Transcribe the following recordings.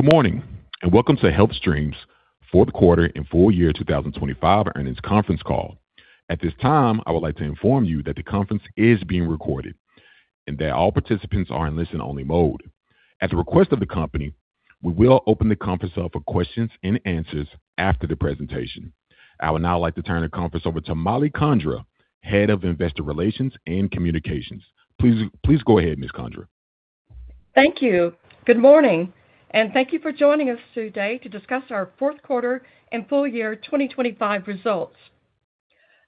Good morning, and welcome to HealthStream's Fourth Quarter and Full Year 2025 Earnings Conference Call. At this time, I would like to inform you that the conference is being recorded and that all participants are in listen-only mode. At the request of the company, we will open the conference up for questions and answers after the presentation. I would now like to turn the conference over to Mollie Condra, Head of Investor Relations and Communications. Please go ahead, Ms. Condra. Thank you. Good morning. Thank you for joining us today to discuss our Fourth Quarter and Full Year 2025 Results.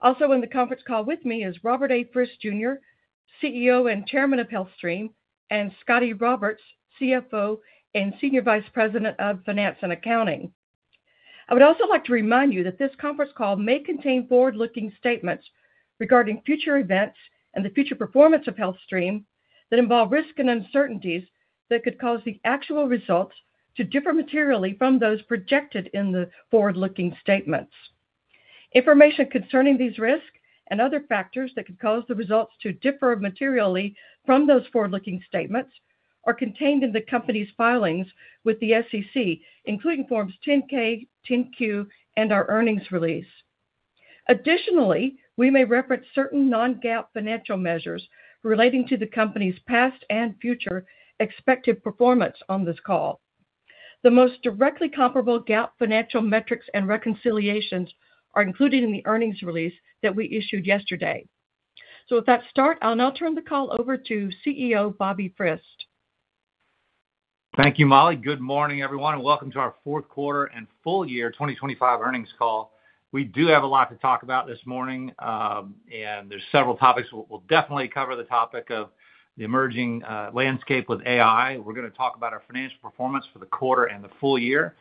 Also in the conference call with me is Robert A. Frist Jr., CEO and Chairman of HealthStream, and Scotty Roberts, CFO and Senior Vice President of Finance and Accounting. I would also like to remind you that this conference call may contain forward-looking statements regarding future events and the future performance of HealthStream that involve risks and uncertainties that could cause the actual results to differ materially from those projected in the forward-looking statements. Information concerning these risks and other factors that could cause the results to differ materially from those forward-looking statements are contained in the company's filings with the SEC, including Forms 10-K, 10-Q, and our earnings release. Additionally, we may reference certain non-GAAP financial measures relating to the company's past and future expected performance on this call. The most directly comparable GAAP financial metrics and reconciliations are included in the earnings release that we issued yesterday. With that start, I'll now turn the call over to CEO, Bobby Frist. Thank you, Mollie. Good morning, everyone, welcome to our Fourth Quarter and Full Year 2025 Earnings Call. We do have a lot to talk about this morning, and there's several topics. We'll definitely cover the topic of the emerging landscape with AI. We're gonna talk about our financial performance for the quarter and the full year.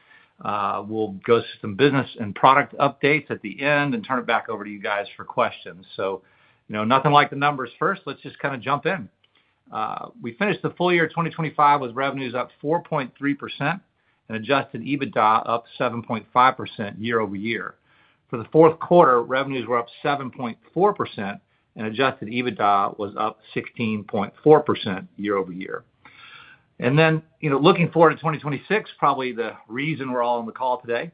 We'll go through some business and product updates at the end and turn it back over to you guys for questions. You know, nothing like the numbers. First, let's just kinda jump in. We finished the full year 2025 with revenues up 4.3% and Adjusted EBITDA up 7.5% year-over-year. For the fourth quarter, revenues were up 7.4% and Adjusted EBITDA was up 16.4% year-over-year. You know, looking forward to 2026, probably the reason we're all on the call today,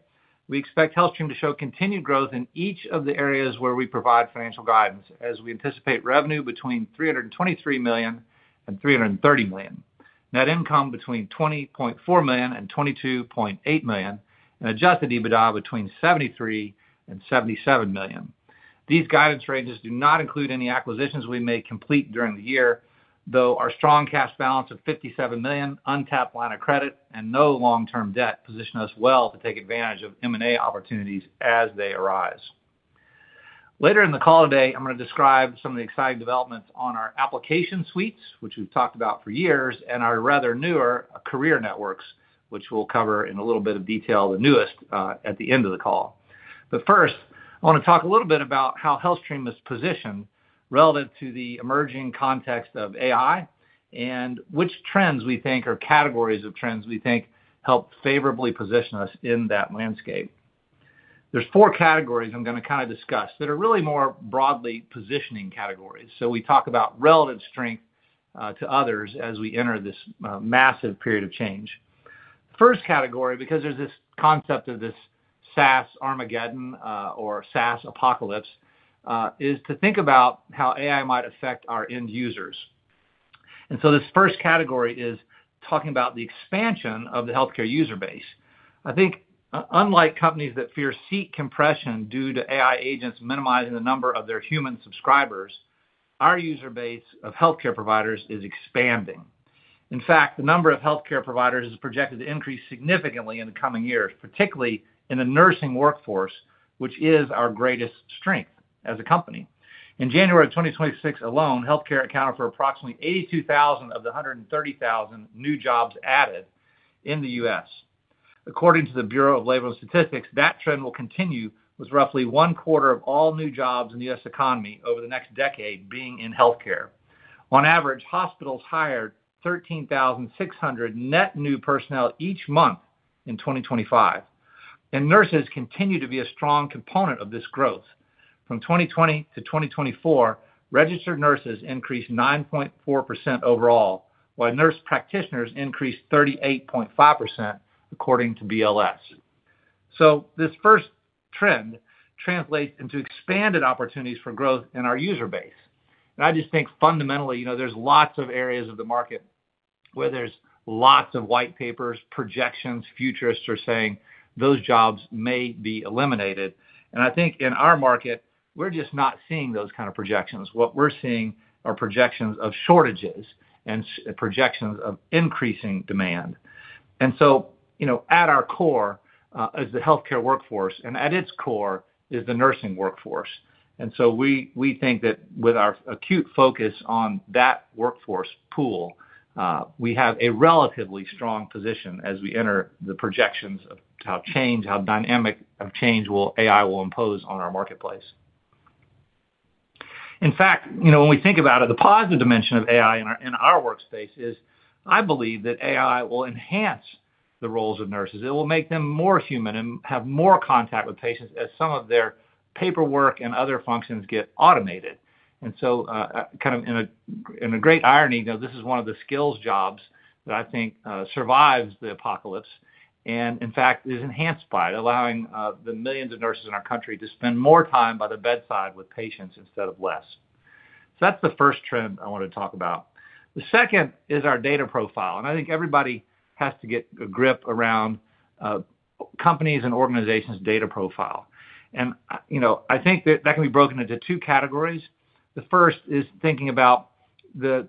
we expect HealthStream to show continued growth in each of the areas where we provide financial guidance, as we anticipate revenue between $323 million and $330 million, net income between $20.4 million and $22.8 million, and Adjusted EBITDA between $73 million and $77 million. These guidance ranges do not include any acquisitions we may complete during the year, though our strong cash balance of $57 million untapped line of credit and no long-term debt position us well to take advantage of M&A opportunities as they arise. Later in the call today, I'm gonna describe some of the exciting developments on our application suites, which we've talked about for years, and our rather newer career networks, which we'll cover in a little bit of detail, the newest, at the end of the call. First, I wanna talk a little bit about how HealthStream is positioned relative to the emerging context of AI, and which trends we think, or categories of trends we think help favorably position us in that landscape. There's four categories I'm gonna kind of discuss that are really more broadly positioning categories. We talk about relative strength, to others as we enter this, massive period of change. First category, because there's this concept of this SaaS Armageddon, or SaaS apocalypse, is to think about how AI might affect our end users. This first category is talking about the expansion of the healthcare user base. I think, unlike companies that fear seat compression due to AI agents minimizing the number of their human subscribers, our user base of healthcare providers is expanding. In fact, the number of healthcare providers is projected to increase significantly in the coming years, particularly in the nursing workforce, which is our greatest strength as a company. In January of 2026 alone, healthcare accounted for approximately 82,000 of the 130,000 new jobs added in the U.S. According to the Bureau of Labor Statistics, that trend will continue, with roughly 1/4 of all new jobs in the U.S. economy over the next decade being in healthcare. On average, hospitals hired 13,600 net new personnel each month in 2025, nurses continue to be a strong component of this growth. From 2020 to 2024, registered nurses increased 9.4% overall, while nurse practitioners increased 38.5%, according to BLS. This first trend translates into expanded opportunities for growth in our user base. I just think fundamentally, you know, there's lots of areas of the market where there's lots of white papers, projections, futurists are saying those jobs may be eliminated. I think in our market, we're just not seeing those kind of projections. What we're seeing are projections of shortages and projections of increasing demand. You know, at our core is the healthcare workforce, and at its core is the nursing workforce. We think that with our acute focus on that workforce pool, we have a relatively strong position as we enter the projections of how dynamic of change will AI impose on our marketplace. In fact, you know, when we think about it, the positive dimension of AI in our workspace is, I believe, that AI will enhance the roles of nurses. It will make them more human and have more contact with patients as some of their paperwork and other functions get automated. Kind of in a great irony, you know, this is one of the skills jobs that I think survives the apocalypse, and in fact, is enhanced by it, allowing the millions of nurses in our country to spend more time by the bedside with patients instead of less. That's the first trend I want to talk about. The second is our data profile, and I think everybody has to get a grip around companies' and organizations' data profile. You know, I think that that can be broken into two categories. The first is thinking about the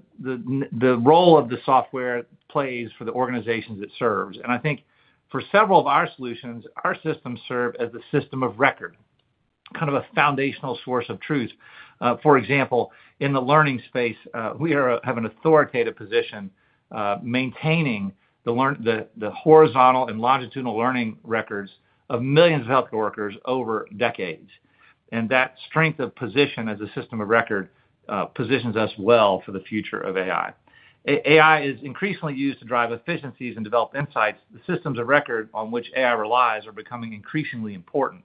role of the software it plays for the organizations it serves. I think for several of our solutions, our systems serve as a system of record, kind of a foundational source of truth. For example, in the learning space, we are, have an authoritative position, maintaining the horizontal and longitudinal learning records of millions of health workers over decades. That strength of position as a system of record, positions us well for the future of AI. AI is increasingly used to drive efficiencies and develop insights. The systems of record on which AI relies are becoming increasingly important.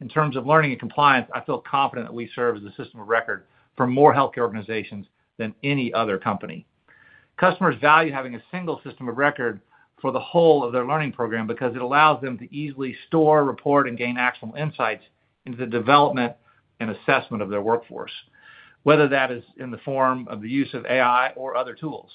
In terms of learning and compliance, I feel confident that we serve as a system of record for more healthcare organizations than any other company. Customers value having a single system of record for the whole of their learning program because it allows them to easily store, report, and gain actual insights into the development and assessment of their workforce, whether that is in the form of the use of AI or other tools.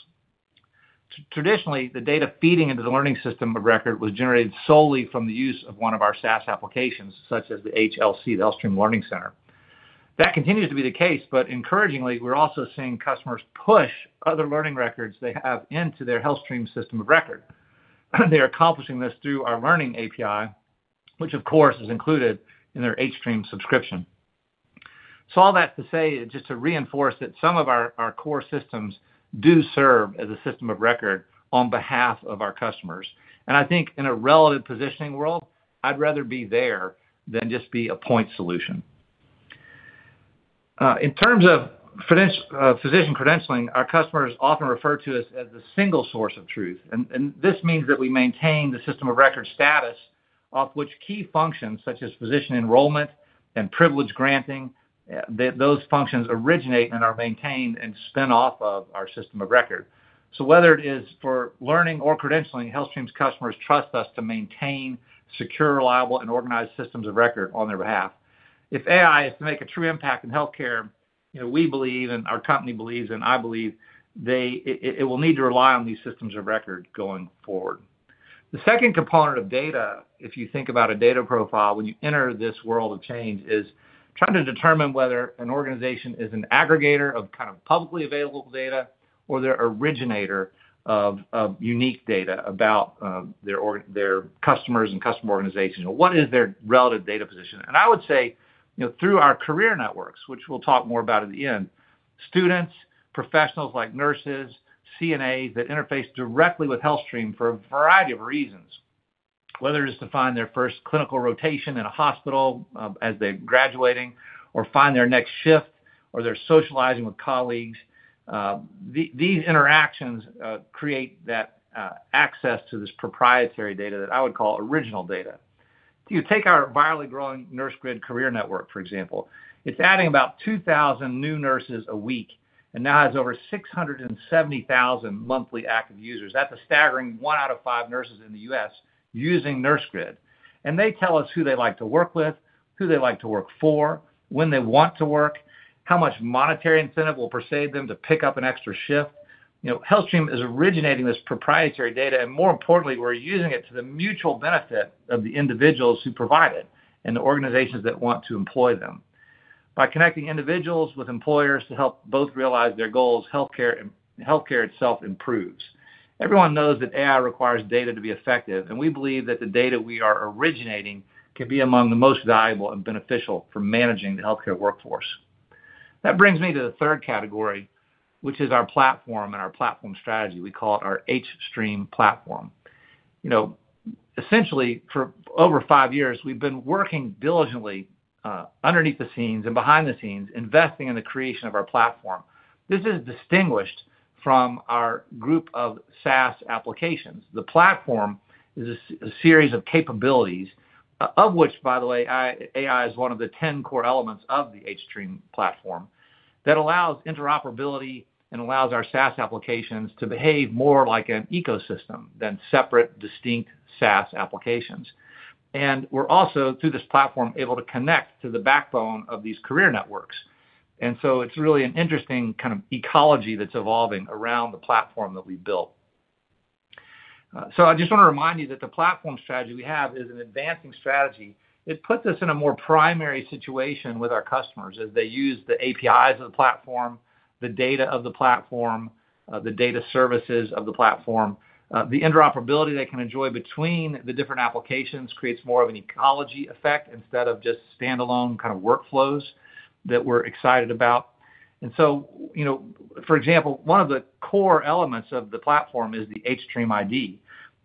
Traditionally, the data feeding into the learning system of record was generated solely from the use of one of our SaaS applications, such as the HLC, the HealthStream Learning Center. That continues to be the case, but encouragingly, we're also seeing customers push other learning records they have into their HealthStream system of record. They are accomplishing this through our Learning API, which, of course, is included in their hStream subscription. All that to say, just to reinforce that some of our core systems do serve as a system of record on behalf of our customers. I think in a relative positioning world, I'd rather be there than just be a point solution. In terms of physician credentialing, our customers often refer to us as the single source of truth, and this means that we maintain the system of record status off which key functions, such as physician enrollment and privilege granting, that those functions originate and are maintained and spin off of our system of record. Whether it is for learning or credentialing, HealthStream's customers trust us to maintain secure, reliable, and organized systems of record on their behalf. If AI is to make a true impact in healthcare, you know, we believe, and our company believes, and I believe, it will need to rely on these systems of record going forward. The second component of data, if you think about a data profile, when you enter this world of change, is trying to determine whether an organization is an aggregator of kind of publicly available data or they're originator of unique data about their org, their customers and customer organizations. What is their relative data position? I would say, you know, through our career networks, which we'll talk more about at the end, students, professionals, like nurses, CNAs, that interface directly with HealthStream for a variety of reasons, whether it's to find their first clinical rotation in a hospital, as they're graduating, or find their next shift, or they're socializing with colleagues, these interactions create that access to this proprietary data that I would call original data. If you take our virally growing NurseGrid career network, for example, it's adding about 2,000 new nurses a week and now has over 670,000 monthly active users. That's a staggering one out of five nurses in the U.S. using NurseGrid. They tell us who they like to work with, who they like to work for, when they want to work, how much monetary incentive will persuade them to pick up an extra shift. You know, HealthStream is originating this proprietary data, and more importantly, we're using it to the mutual benefit of the individuals who provide it and the organizations that want to employ them. By connecting individuals with employers to help both realize their goals, healthcare itself improves. Everyone knows that AI requires data to be effective, and we believe that the data we are originating can be among the most valuable and beneficial for managing the healthcare workforce. That brings me to the third category, which is our platform and our platform strategy. We call it our hStream Platform. You know, essentially, for over five years, we've been working diligently, underneath the scenes and behind the scenes, investing in the creation of our platform. This is distinguished from our group of SaaS applications. The platform is a series of capabilities, of which, by the way, AI is one of the 10 core elements of the hStream Platform, that allows interoperability and allows our SaaS applications to behave more like an ecosystem than separate, distinct SaaS applications. We're also, through this platform, able to connect to the backbone of these career networks. It's really an interesting kind of ecology that's evolving around the platform that we built. I just want to remind you that the platform strategy we have is an advancing strategy. It puts us in a more primary situation with our customers as they use the APIs of the platform, the data of the platform, the data services of the platform. The interoperability they can enjoy between the different applications creates more of an ecology effect instead of just standalone kind of workflows that we're excited about. You know, for example, one of the core elements of the platform is the hStream ID,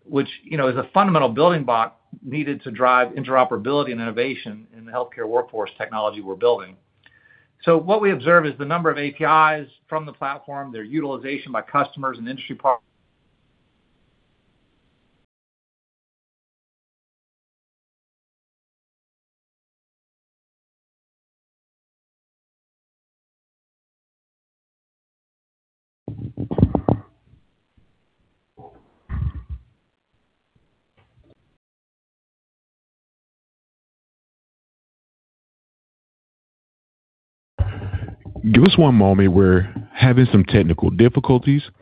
which, you know, is a fundamental building block needed to drive interoperability and innovation in the healthcare workforce technology we're building. What we observe is the number of APIs from the platform, their utilization by customers and industry partners. Give us one moment. We're having some technical difficulties. I'm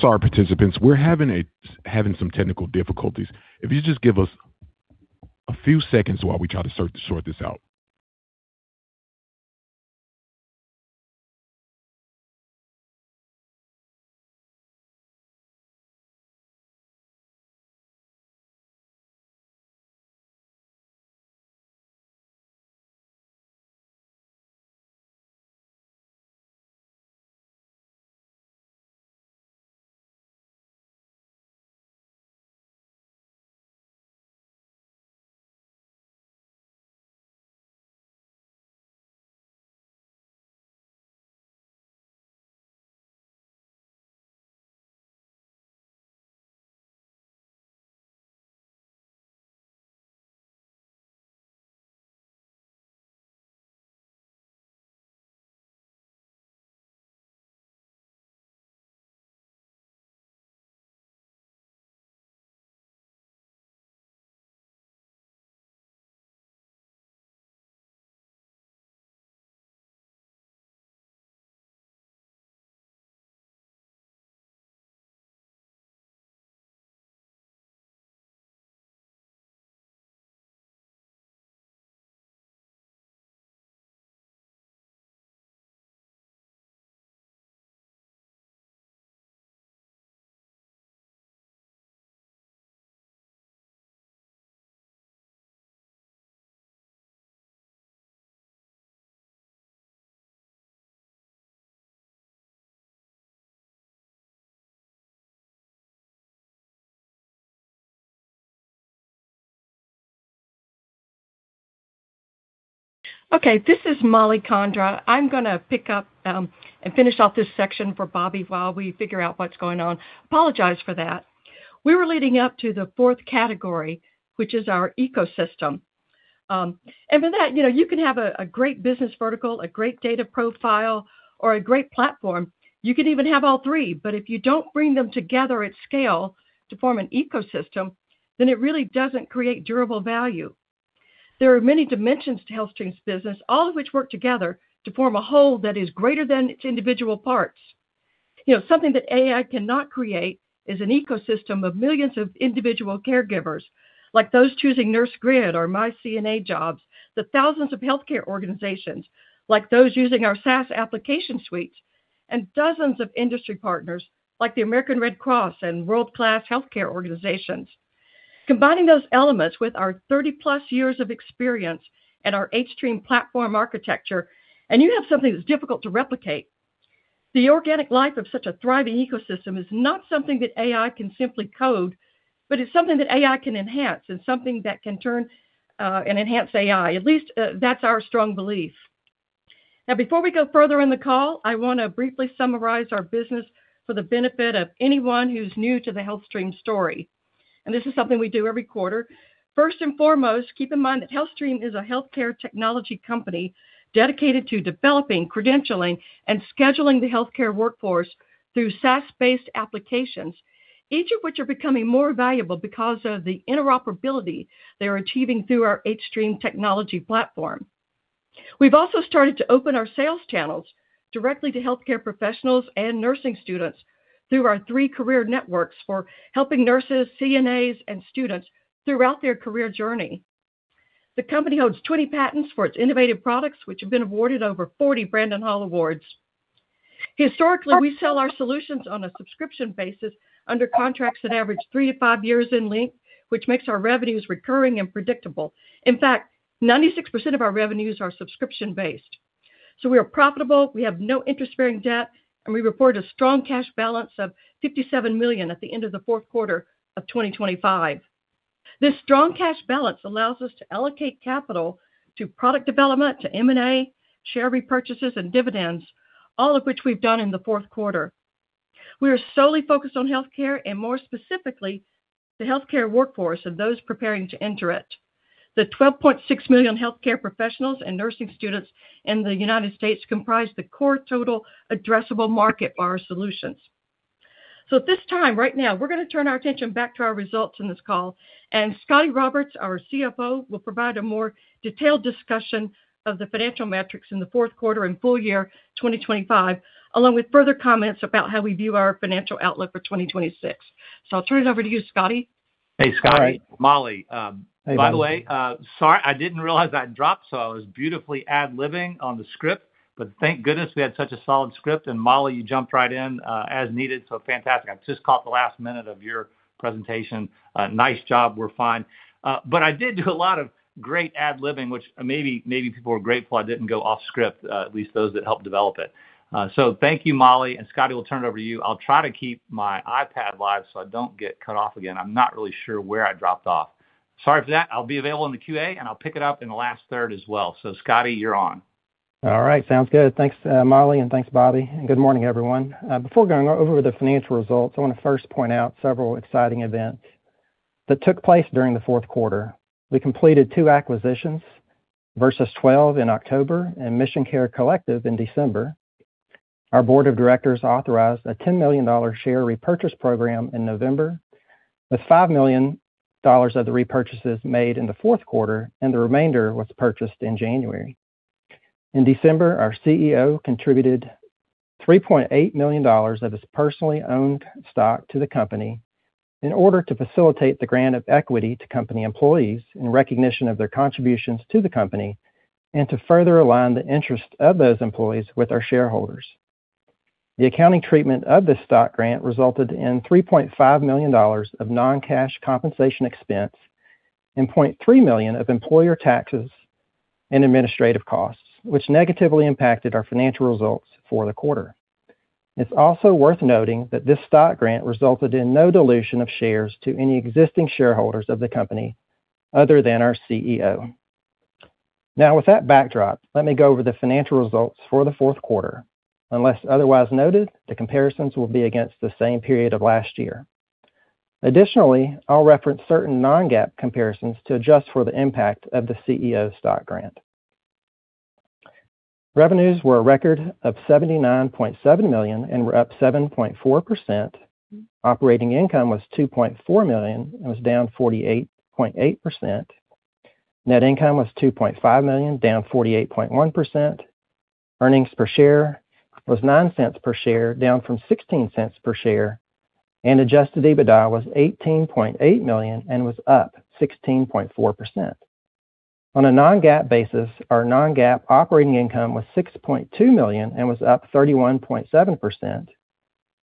sorry, participants, we're having some technical difficulties. If you just give us a few seconds while we try to sort this out. Okay, this is Mollie Condra. I'm gonna pick up and finish off this section for Bobby while we figure out what's going on. Apologize for that. We were leading up to the fourth category, which is our ecosystem. For that, you know, you can have a great business vertical, a great data profile, or a great platform. You can even have all three, but if you don't bring them together at scale to form an ecosystem, then it really doesn't create durable value. There are many dimensions to HealthStream's business, all of which work together to form a whole that is greater than its individual parts. You know, something that AI cannot create is an ecosystem of millions of individual caregivers, like those choosing NurseGrid or myCNAjobs, the thousands of healthcare organizations like those using our SaaS application suite, and dozens of industry partners like the American Red Cross and world-class healthcare organizations. Combining those elements with our 30-plus years of experience and our hStream Platform architecture, you have something that's difficult to replicate. The organic life of such a thriving ecosystem is not something that AI can simply code, but it's something that AI can enhance and something that can turn and enhance AI. At least, that's our strong belief. Now, before we go further in the call, I wanna briefly summarize our business for the benefit of anyone who's new to the HealthStream story. This is something we do every quarter. First and foremost, keep in mind that HealthStream is a healthcare technology company dedicated to developing, credentialing, and scheduling the healthcare workforce through SaaS-based applications, each of which are becoming more valuable because of the interoperability they're achieving through our hStream Platform. We've also started to open our sales channels directly to healthcare professionals and nursing students through our three career networks for helping nurses, CNAs, and students throughout their career journey. The company holds 20 patents for its innovative products, which have been awarded over 40 Brandon Hall Awards. Historically, we sell our solutions on a subscription basis under contracts that average three to five years in length, which makes our revenues recurring and predictable. In fact, 96% of our revenues are subscription-based. We are profitable, we have no interest-bearing debt, and we report a strong cash balance of $57 million at the end of the fourth quarter of 2025. This strong cash balance allows us to allocate capital to product development, to M&A, share repurchases, and dividends, all of which we've done in the fourth quarter. We are solely focused on healthcare and more specifically, the healthcare workforce and those preparing to enter it. The 12.6 million healthcare professionals and nursing students in the United States comprise the core total addressable market for our solutions. At this time, right now, we're gonna turn our attention back to our results in this call. Scotty Roberts, our CFO, will provide a more detailed discussion of the financial metrics in the fourth quarter and full year 2025, along with further comments about how we view our financial outlook for 2026. I'll turn it over to you, Scotty. Hey, Scott, Mollie. by the way, sorry, I didn't realize I had dropped, so I was beautifully ad-libbing on the script. Thank goodness we had such a solid script, and, Mollie, you jumped right in, as needed, so fantastic. I just caught the last minute of your presentation. Nice job. We're fine. I did do a lot of great ad-libbing, which maybe people are grateful I didn't go off script, at least those that helped develop it. Thank you, Mollie, and, Scotty, we'll turn it over to you. I'll try to keep my iPad live, so I don't get cut off again. I'm not really sure where I dropped off. Sorry for that. I'll be available in the QA, and I'll pick it up in the last third as well. Scotty, you're on. All right. Sounds good. Thanks, Mollie, and thanks, Bobby. Good morning, everyone. Before going over the financial results, I wanna first point out several exciting events that took place during the fourth quarter. We completed two acquisitions, Virsys12 in October and MissionCare Collective in December. Our board of directors authorized a $10 million share repurchase program in November, with $5 million of the repurchases made in the fourth quarter, and the remainder was purchased in January. In December, our CEO contributed $3.8 million of his personally owned stock to the company in order to facilitate the grant of equity to company employees in recognition of their contributions to the company and to further align the interests of those employees with our shareholders. The accounting treatment of this stock grant resulted in $3.5 million of non-cash compensation expense and $0.3 million of employer taxes and administrative costs, which negatively impacted our financial results for the quarter. It's also worth noting that this stock grant resulted in no dilution of shares to any existing shareholders of the company other than our CEO. Now, with that backdrop, let me go over the financial results for the fourth quarter. Unless otherwise noted, the comparisons will be against the same period of last year. Additionally, I'll reference certain non-GAAP comparisons to adjust for the impact of the CEO's stock grant. Revenues were a record of $79.7 million and were up 7.4%. Operating income was $2.4 million and was down 48.8%. Net income was $2.5 million, down 48.1%. Earnings per share was $0.09 per share, down from $0.16 per share. Adjusted EBITDA was $18.8 million and was up 16.4%. On a non-GAAP basis, our non-GAAP operating income was $6.2 million and was up 31.7%.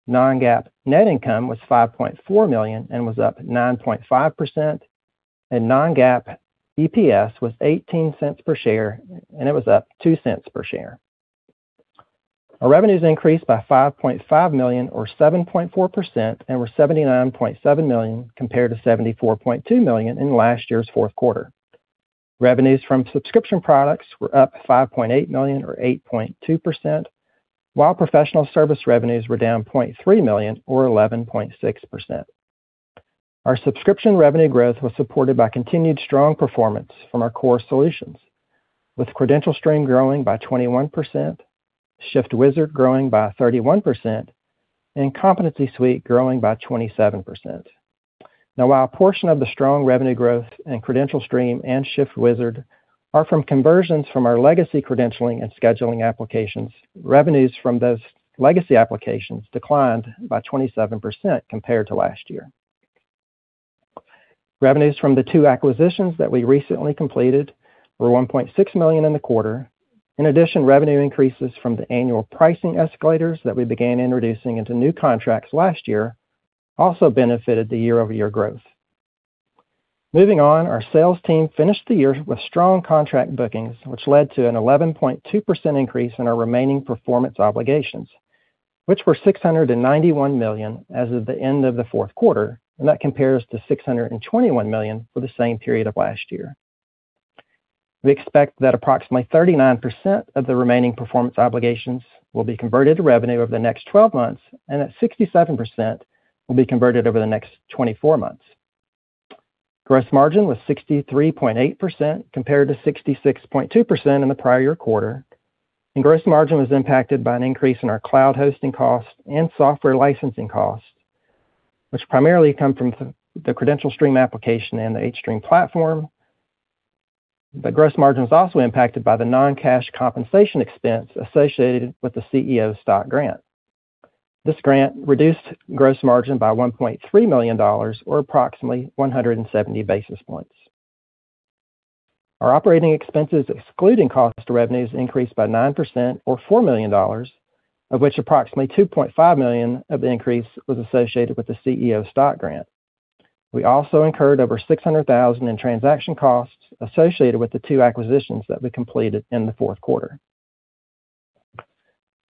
Non-GAAP net income was $5.4 million and was up 9.5%. Non-GAAP EPS was $0.18 per share, and it was up $0.02 per share. Our revenues increased by $5.5 million, or 7.4%, and were $79.7 million, compared to $74.2 million in last year's fourth quarter. Revenues from subscription products were up $5.8 million, or 8.2%, while professional service revenues were down $0.3 million or 11.6%. Our subscription revenue growth was supported by continued strong performance from our core solutions, with CredentialStream growing by 21%, ShiftWizard growing by 31%, and Competency Suite growing by 27%. While a portion of the strong revenue growth in CredentialStream and ShiftWizard are from conversions from our legacy credentialing and scheduling applications, revenues from those legacy applications declined by 27% compared to last year. Revenues from the two acquisitions that we recently completed were $1.6 million in the quarter. In addition, revenue increases from the annual pricing escalators that we began introducing into new contracts last year also benefited the year-over-year growth. Moving on, our sales team finished the year with strong contract bookings, which led to an 11.2% increase in our Remaining Performance Obligations, which were $691 million as of the end of the fourth quarter, and that compares to $621 million for the same period of last year. We expect that approximately 39% of the Remaining Performance Obligations will be converted to revenue over the next 12 months, and that 67% will be converted over the next 24 months. Gross margin was 63.8%, compared to 66.2% in the prior year quarter, and gross margin was impacted by an increase in our cloud hosting costs and software licensing costs, which primarily come from the CredentialStream application and the hStream Platform. The gross margin was also impacted by the non-cash compensation expense associated with the CEO's stock grant. This grant reduced gross margin by $1.3 million or approximately 170 basis points. Our operating expenses, excluding cost to revenues, increased by 9% or $4 million, of which approximately $2.5 million of the increase was associated with the CEO's stock grant. We also incurred over 600,000 in transaction costs associated with the two acquisitions that we completed in the fourth quarter.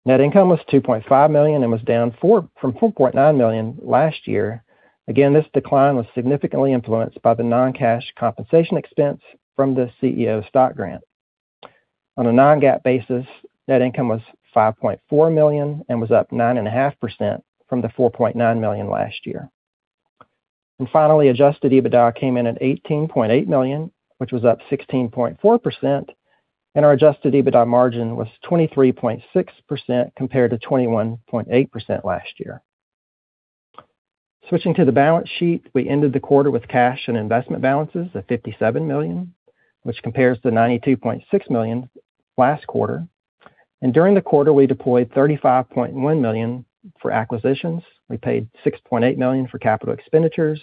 Net income was $2.5 million and was down from $4.9 million last year. This decline was significantly influenced by the non-cash compensation expense from the CEO's stock grant. On a non-GAAP basis, net income was $5.4 million and was up 9.5% from the $4.9 million last year. Finally, Adjusted EBITDA came in at $18.8 million, which was up 16.4%, and our Adjusted EBITDA margin was 23.6% compared to 21.8% last year. Switching to the balance sheet, we ended the quarter with cash and investment balances at $57 million, which compares to $92.6 million last quarter. During the quarter, we deployed $35.1 million for acquisitions. We paid $6.8 million for capital expenditures.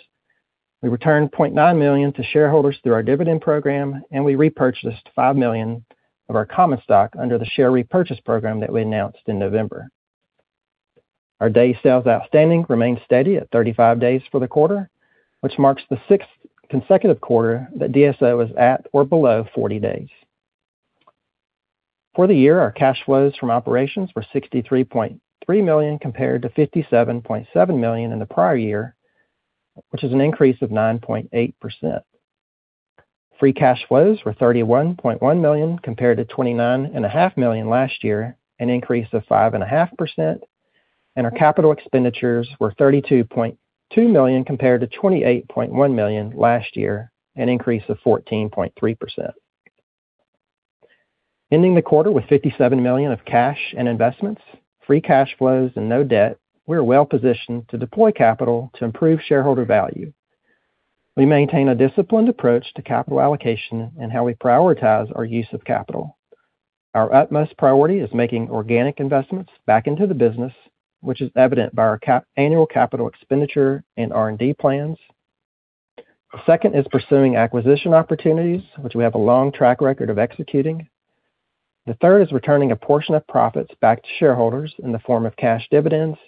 We returned $0.9 million to shareholders through our dividend program, and we repurchased $5 million of our common stock under the share repurchase program that we announced in November. Our days sales outstanding remained steady at 35 days for the quarter, which marks the sixth consecutive quarter that DSO is at or below 40 days. For the year, our cash flows from operations were $63.3 million, compared to $57.7 million in the prior year, which is an increase of 9.8%. Free cash flows were $31.1 million, compared to $29.5 million last year, an increase of 5.5%, and our capital expenditures were $32.2 million, compared to $28.1 million last year, an increase of 14.3%. Ending the quarter with $57 million of cash and investments, free cash flows, and no debt, we are well positioned to deploy capital to improve shareholder value. We maintain a disciplined approach to capital allocation and how we prioritize our use of capital. Our utmost priority is making organic investments back into the business, which is evident by our annual capital expenditure and R&D plans. The second is pursuing acquisition opportunities, which we have a long track record of executing. The third is returning a portion of profits back to shareholders in the form of cash dividends,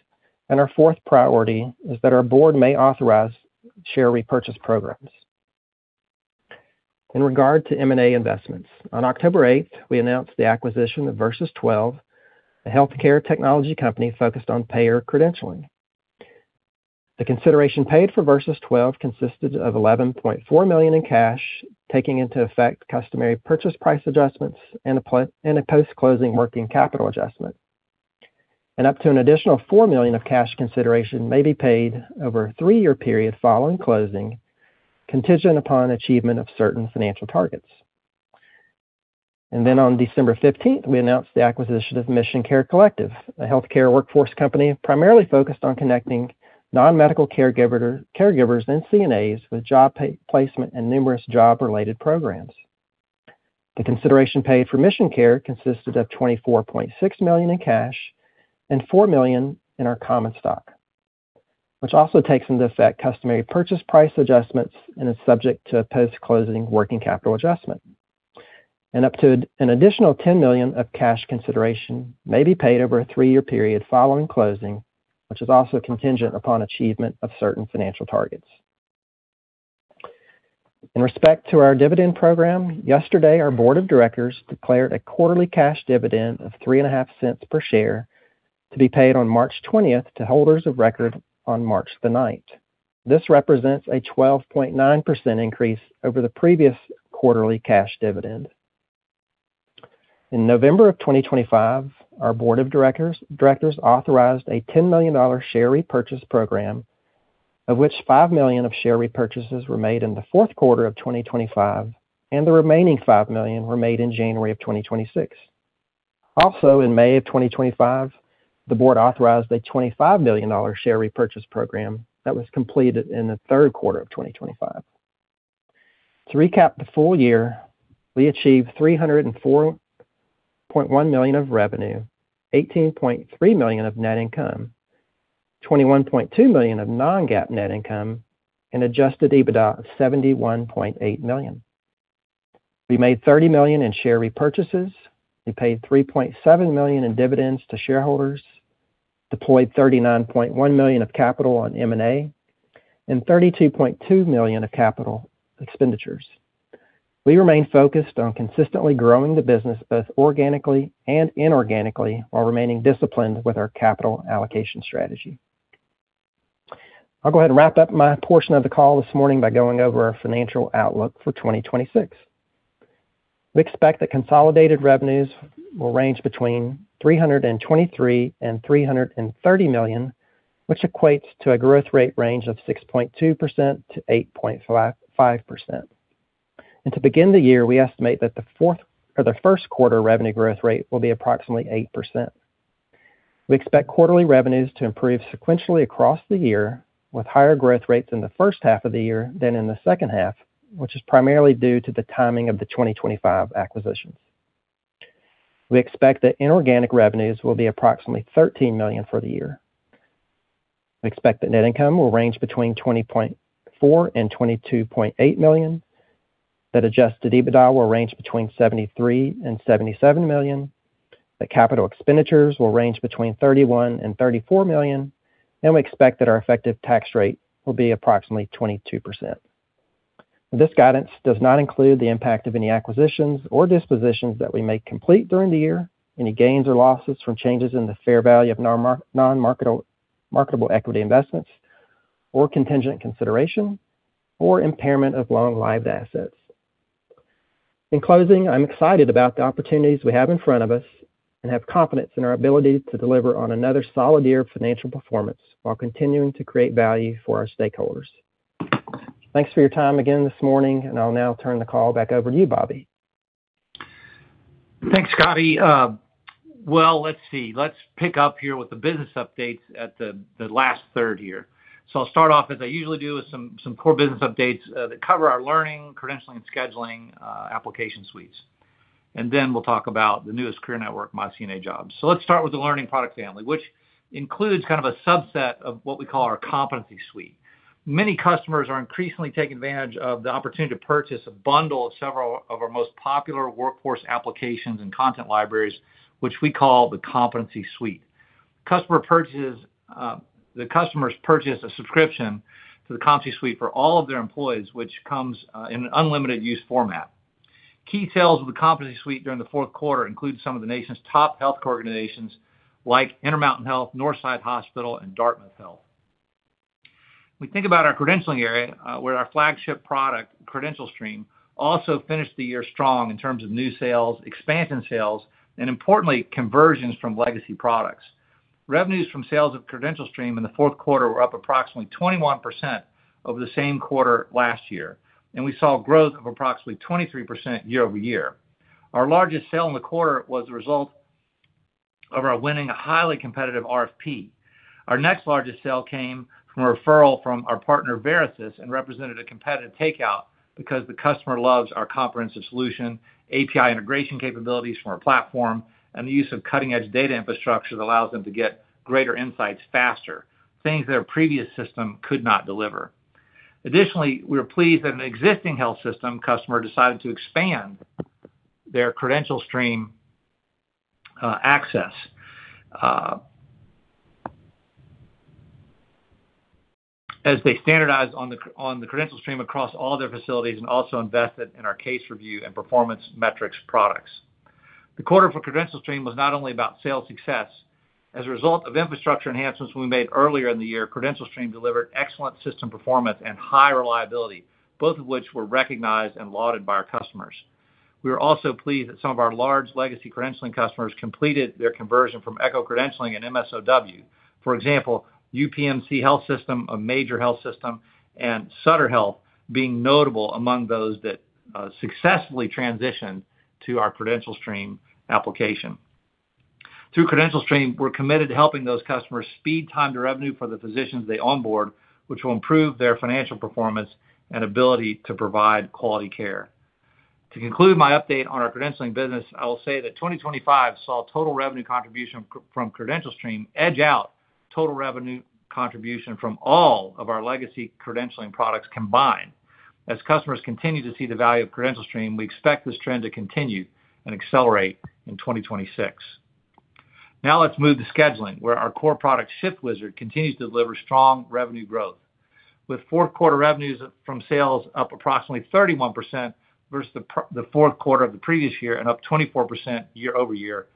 and our fourth priority is that our board may authorize share repurchase programs. In regard to M&A investments, on October 8th, we announced the acquisition of Virsys12, a healthcare technology company focused on payer credentialing. The consideration paid for Virsys12 consisted of $11.4 million in cash, taking into effect customary purchase price adjustments and a post-closing working capital adjustment. Up to an additional $4 million of cash consideration may be paid over a three-year period following closing, contingent upon achievement of certain financial targets. On December 15th, we announced the acquisition of MissionCare Collective, a healthcare workforce company primarily focused on connecting non-medical caregivers and CNAs with job placement and numerous job-related programs. The consideration paid for MissionCare consisted of $24.6 million in cash and $4 million in our common stock, which also takes into effect customary purchase price adjustments and is subject to a post-closing working capital adjustment. Up to an additional $10 million of cash consideration may be paid over a three-year period following closing, which is also contingent upon achievement of certain financial targets. In respect to our dividend program, yesterday, our board of directors declared a quarterly cash dividend of $0.035 per share to be paid on March 20th to holders of record on March the 9th. This represents a 12.9% increase over the previous quarterly cash dividend. In November of 2025, our board of directors authorized a $10 million share repurchase program, of which $5 million of share repurchases were made in the fourth quarter of 2025, and the remaining $5 million were made in January of 2026. In May of 2025, the board authorized a $25 million share repurchase program that was completed in the third quarter of 2025. To recap, the full year, we achieved $304.1 million of revenue, $18.3 million of net income, $21.2 million of non-GAAP net income, and Adjusted EBITDA of $71.8 million. We made $30 million in share repurchases. We paid $3.7 million in dividends to shareholders, deployed $39.1 million of capital on M&A, and $32.2 million of capital expenditures. We remain focused on consistently growing the business, both organically and inorganically, while remaining disciplined with our capital allocation strategy. I'll go ahead and wrap up my portion of the call this morning by going over our financial outlook for 2026. We expect that consolidated revenues will range between $323 million and $330 million, which equates to a growth rate range of 6.2%-8.5%. To begin the year, we estimate that the first quarter revenue growth rate will be approximately 8%. We expect quarterly revenues to improve sequentially across the year, with higher growth rates in the first half of the year than in the second half, which is primarily due to the timing of the 2025 acquisitions. We expect that inorganic revenues will be approximately $13 million for the year. We expect that net income will range between $20.4 million and $22.8 million, that Adjusted EBITDA will range between $73 million and $77 million, that capital expenditures will range between $31 million and $34 million, and we expect that our effective tax rate will be approximately 22%. This guidance does not include the impact of any acquisitions or dispositions that we may complete during the year, any gains or losses from changes in the fair value of non-marketable marketable equity investments, or contingent consideration, or impairment of long-lived assets. In closing, I'm excited about the opportunities we have in front of us and have confidence in our ability to deliver on another solid year of financial performance while continuing to create value for our stakeholders. Thanks for your time again this morning, and I'll now turn the call back over to you, Bobby. Thanks, Scotty. Well, let's see. Let's pick up here with the business updates at the last third here. I'll start off, as I usually do, with some core business updates that cover our learning, credentialing, and scheduling application suites. Then we'll talk about the newest career network, myCNAjobs. Let's start with the learning product family, which includes kind of a subset of what we call our Competency Suite. Many customers are increasingly taking advantage of the opportunity to purchase a bundle of several of our most popular workforce applications and content libraries, which we call the Competency Suite. The customers purchase a subscription to the Competency Suite for all of their employees, which comes in an unlimited use format. Key sales of the Competency Suite during the fourth quarter include some of the nation's top healthcare organizations like Intermountain Health, Northside Hospital, and Dartmouth Health. We think about our credentialing area, where our flagship product, CredentialStream, also finished the year strong in terms of new sales, expansion sales, and importantly, conversions from legacy products. Revenues from sales of CredentialStream in the fourth quarter were up approximately 21% over the same quarter last year. We saw growth of approximately 23% year-over-year. Our largest sale in the quarter was a result of our winning a highly competitive RFP. Our next largest sale came from a referral from our partner, Verisys, and represented a competitive takeout because the customer loves our comprehensive solution, API integration capabilities from our platform, and the use of cutting-edge data infrastructure that allows them to get greater insights faster, things their previous system could not deliver. Additionally, we are pleased that an existing health system customer decided to expand their CredentialStream access as they standardized on the CredentialStream across all their facilities and also invested in our case review and performance metrics products. The quarter for CredentialStream was not only about sales success. As a result of infrastructure enhancements we made earlier in the year, CredentialStream delivered excellent system performance and high reliability, both of which were recognized and lauded by our customers. We are also pleased that some of our large legacy credentialing customers completed their conversion from EchoCredentialing and MSOW. For example, UPMC Health System, a major health system, and Sutter Health, being notable among those that successfully transitioned to our CredentialStream application. Through CredentialStream, we're committed to helping those customers speed time to revenue for the physicians they onboard, which will improve their financial performance and ability to provide quality care. To conclude my update on our credentialing business, I will say that 2025 saw total revenue contribution from CredentialStream edge out total revenue contribution from all of our legacy credentialing products combined. As customers continue to see the value of CredentialStream, we expect this trend to continue and accelerate in 2026. Let's move to scheduling, where our core product, ShiftWizard, continues to deliver strong revenue growth, with fourth quarter revenues from sales up approximately 31% versus the fourth quarter of the previous year and up 24% year-over-year.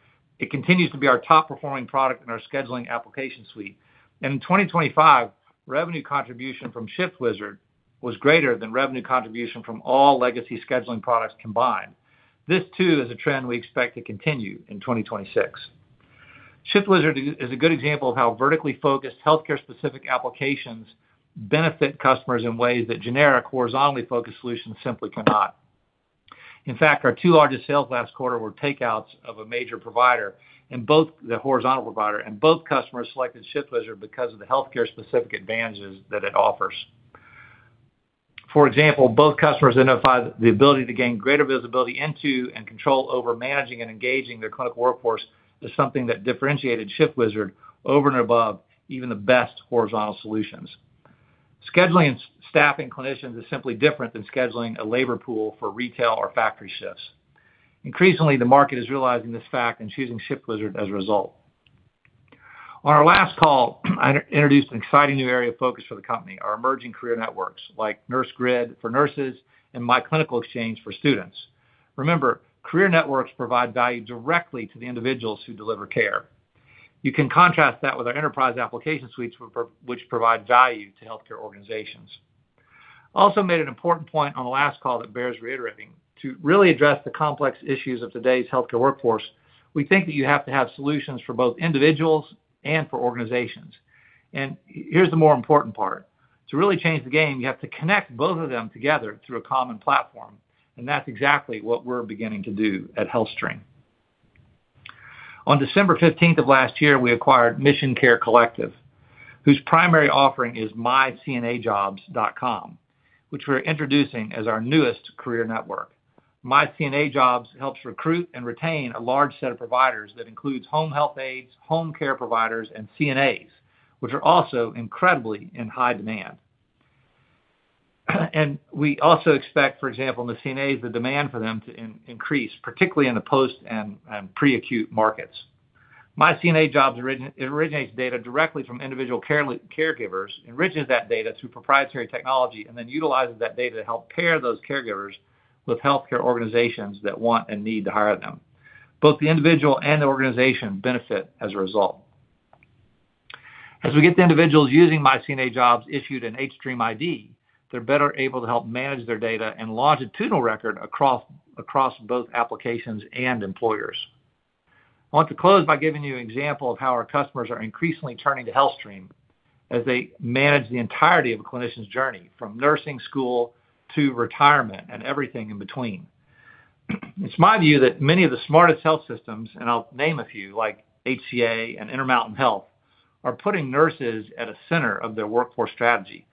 It continues to be our top-performing product in our scheduling application suite. In 2025, revenue contribution from ShiftWizard was greater than revenue contribution from all legacy scheduling products combined. This, too, is a trend we expect to continue in 2026. ShiftWizard is a good example of how vertically focused healthcare-specific applications benefit customers in ways that generic, horizontally focused solutions simply cannot. In fact, our two largest sales last quarter were takeouts of a major provider, and both customers selected ShiftWizard because of the healthcare-specific advantages that it offers. For example, both customers identified the ability to gain greater visibility into and control over managing and engaging their clinical workforce as something that differentiated ShiftWizard over and above even the best horizontal solutions. Scheduling staffing clinicians is simply different than scheduling a labor pool for retail or factory shifts. Increasingly, the market is realizing this fact and choosing ShiftWizard as a result. On our last call, I introduced an exciting new area of focus for the company, our emerging career networks, like NurseGrid for nurses and myClinicalExchange for students. Remember, career networks provide value directly to the individuals who deliver care. You can contrast that with our enterprise application suites which provide value to healthcare organizations. I also made an important point on the last call that bears reiterating. To really address the complex issues of today's healthcare workforce, we think that you have to have solutions for both individuals and for organizations. Here's the more important part: To really change the game, you have to connect both of them together through a common platform, and that's exactly what we're beginning to do at HealthStream. On December 15th of last year, we acquired MissionCare Collective, whose primary offering is myCNAjobs.com, which we're introducing as our newest career network. myCNAjobs helps recruit and retain a large set of providers that includes home health aides, home care providers, and CNAs, which are also incredibly in high demand. We also expect, for example, in the CNAs, the demand for them to increase, particularly in the post and pre-acute markets. myCNAjobs originates data directly from individual caregivers, enriches that data through proprietary technology, utilizes that data to help pair those caregivers with healthcare organizations that want and need to hire them. Both the individual and the organization benefit as a result. As we get the individuals using myCNAjobs issued an hStream ID, they're better able to help manage their data and longitudinal record across both applications and employers. I want to close by giving you an example of how our customers are increasingly turning to HealthStream as they manage the entirety of a clinician's journey, from nursing school to retirement and everything in between. It's my view that many of the smartest health systems, and I'll name a few, like HCA and Intermountain Health, are putting nurses at a center of their workforce strategy.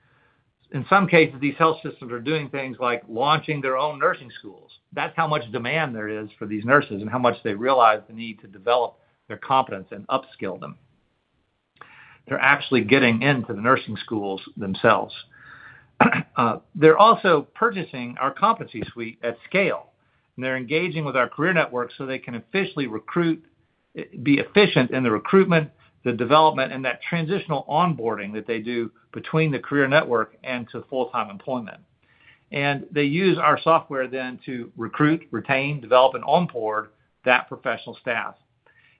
In some cases, these health systems are doing things like launching their own nursing schools. That's how much demand there is for these nurses and how much they realize the need to develop their competence and upskill them. They're actually getting into the nursing schools themselves. They're also purchasing our Competency Suite at scale, and they're engaging with our career network so they can be efficient in the recruitment, the development, and that transitional onboarding that they do between the career network and to full-time employment. They use our software then to recruit, retain, develop, and onboard that professional staff.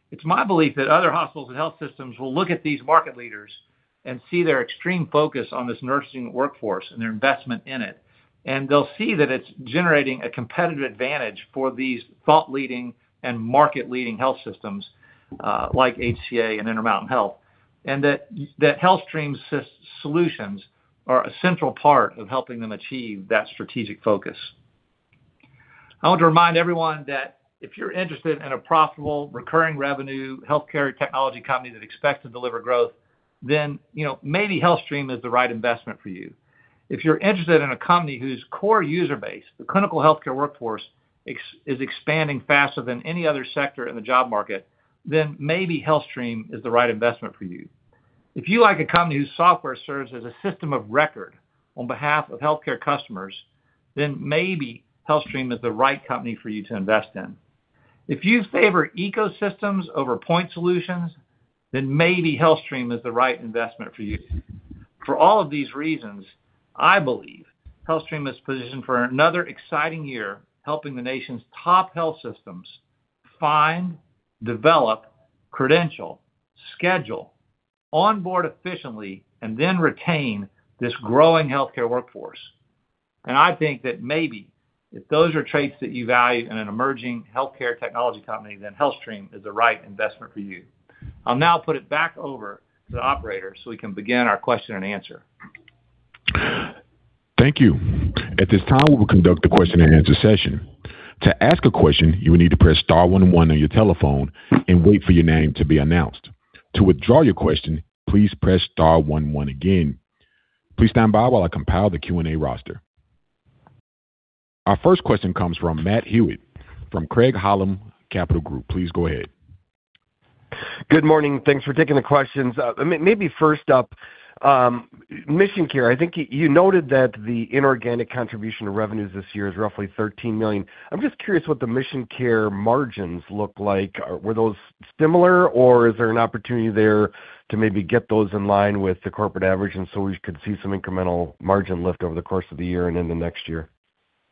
It's my belief that other hospitals and health systems will look at these market leaders and see their extreme focus on this nursing workforce and their investment in it, and they'll see that it's generating a competitive advantage for these thought-leading and market-leading health systems, like HCA and Intermountain Health. That HealthStream solutions are a central part of helping them achieve that strategic focus. I want to remind everyone that if you're interested in a profitable, recurring revenue, healthcare technology company that expects to deliver growth, then, you know, maybe HealthStream is the right investment for you. If you're interested in a company whose core user base, the clinical healthcare workforce, is expanding faster than any other sector in the job market, then maybe HealthStream is the right investment for you. If you like a company whose software serves as a system of record on behalf of healthcare customers, then maybe HealthStream is the right company for you to invest in. If you favor ecosystems over point solutions, then maybe HealthStream is the right investment for you. For all of these reasons, I believe HealthStream is positioned for another exciting year, helping the nation's top health systems find, develop, credential, schedule, onboard efficiently, and then retain this growing healthcare workforce. I think that maybe if those are traits that you value in an emerging healthcare technology company, then HealthStream is the right investment for you. I'll now put it back over to the operator, so we can begin our question and answer. Thank you. At this time, we will conduct the question and answer session. To ask a question, you will need to press star one on your telephone and wait for your name to be announced. To withdraw your question, please press star one one again. Please stand by while I compile the Q&A roster. Our first question comes from Matthew Hewitt, from Craig-Hallum Capital Group. Please go ahead. Good morning. Thanks for taking the questions. Maybe first up, MissionCare, I think you noted that the inorganic contribution to revenues this year is roughly $13 million. I'm just curious what the MissionCare margins look like. Were those similar, or is there an opportunity there to maybe get those in line with the corporate average, so we could see some incremental margin lift over the course of the year and into next year?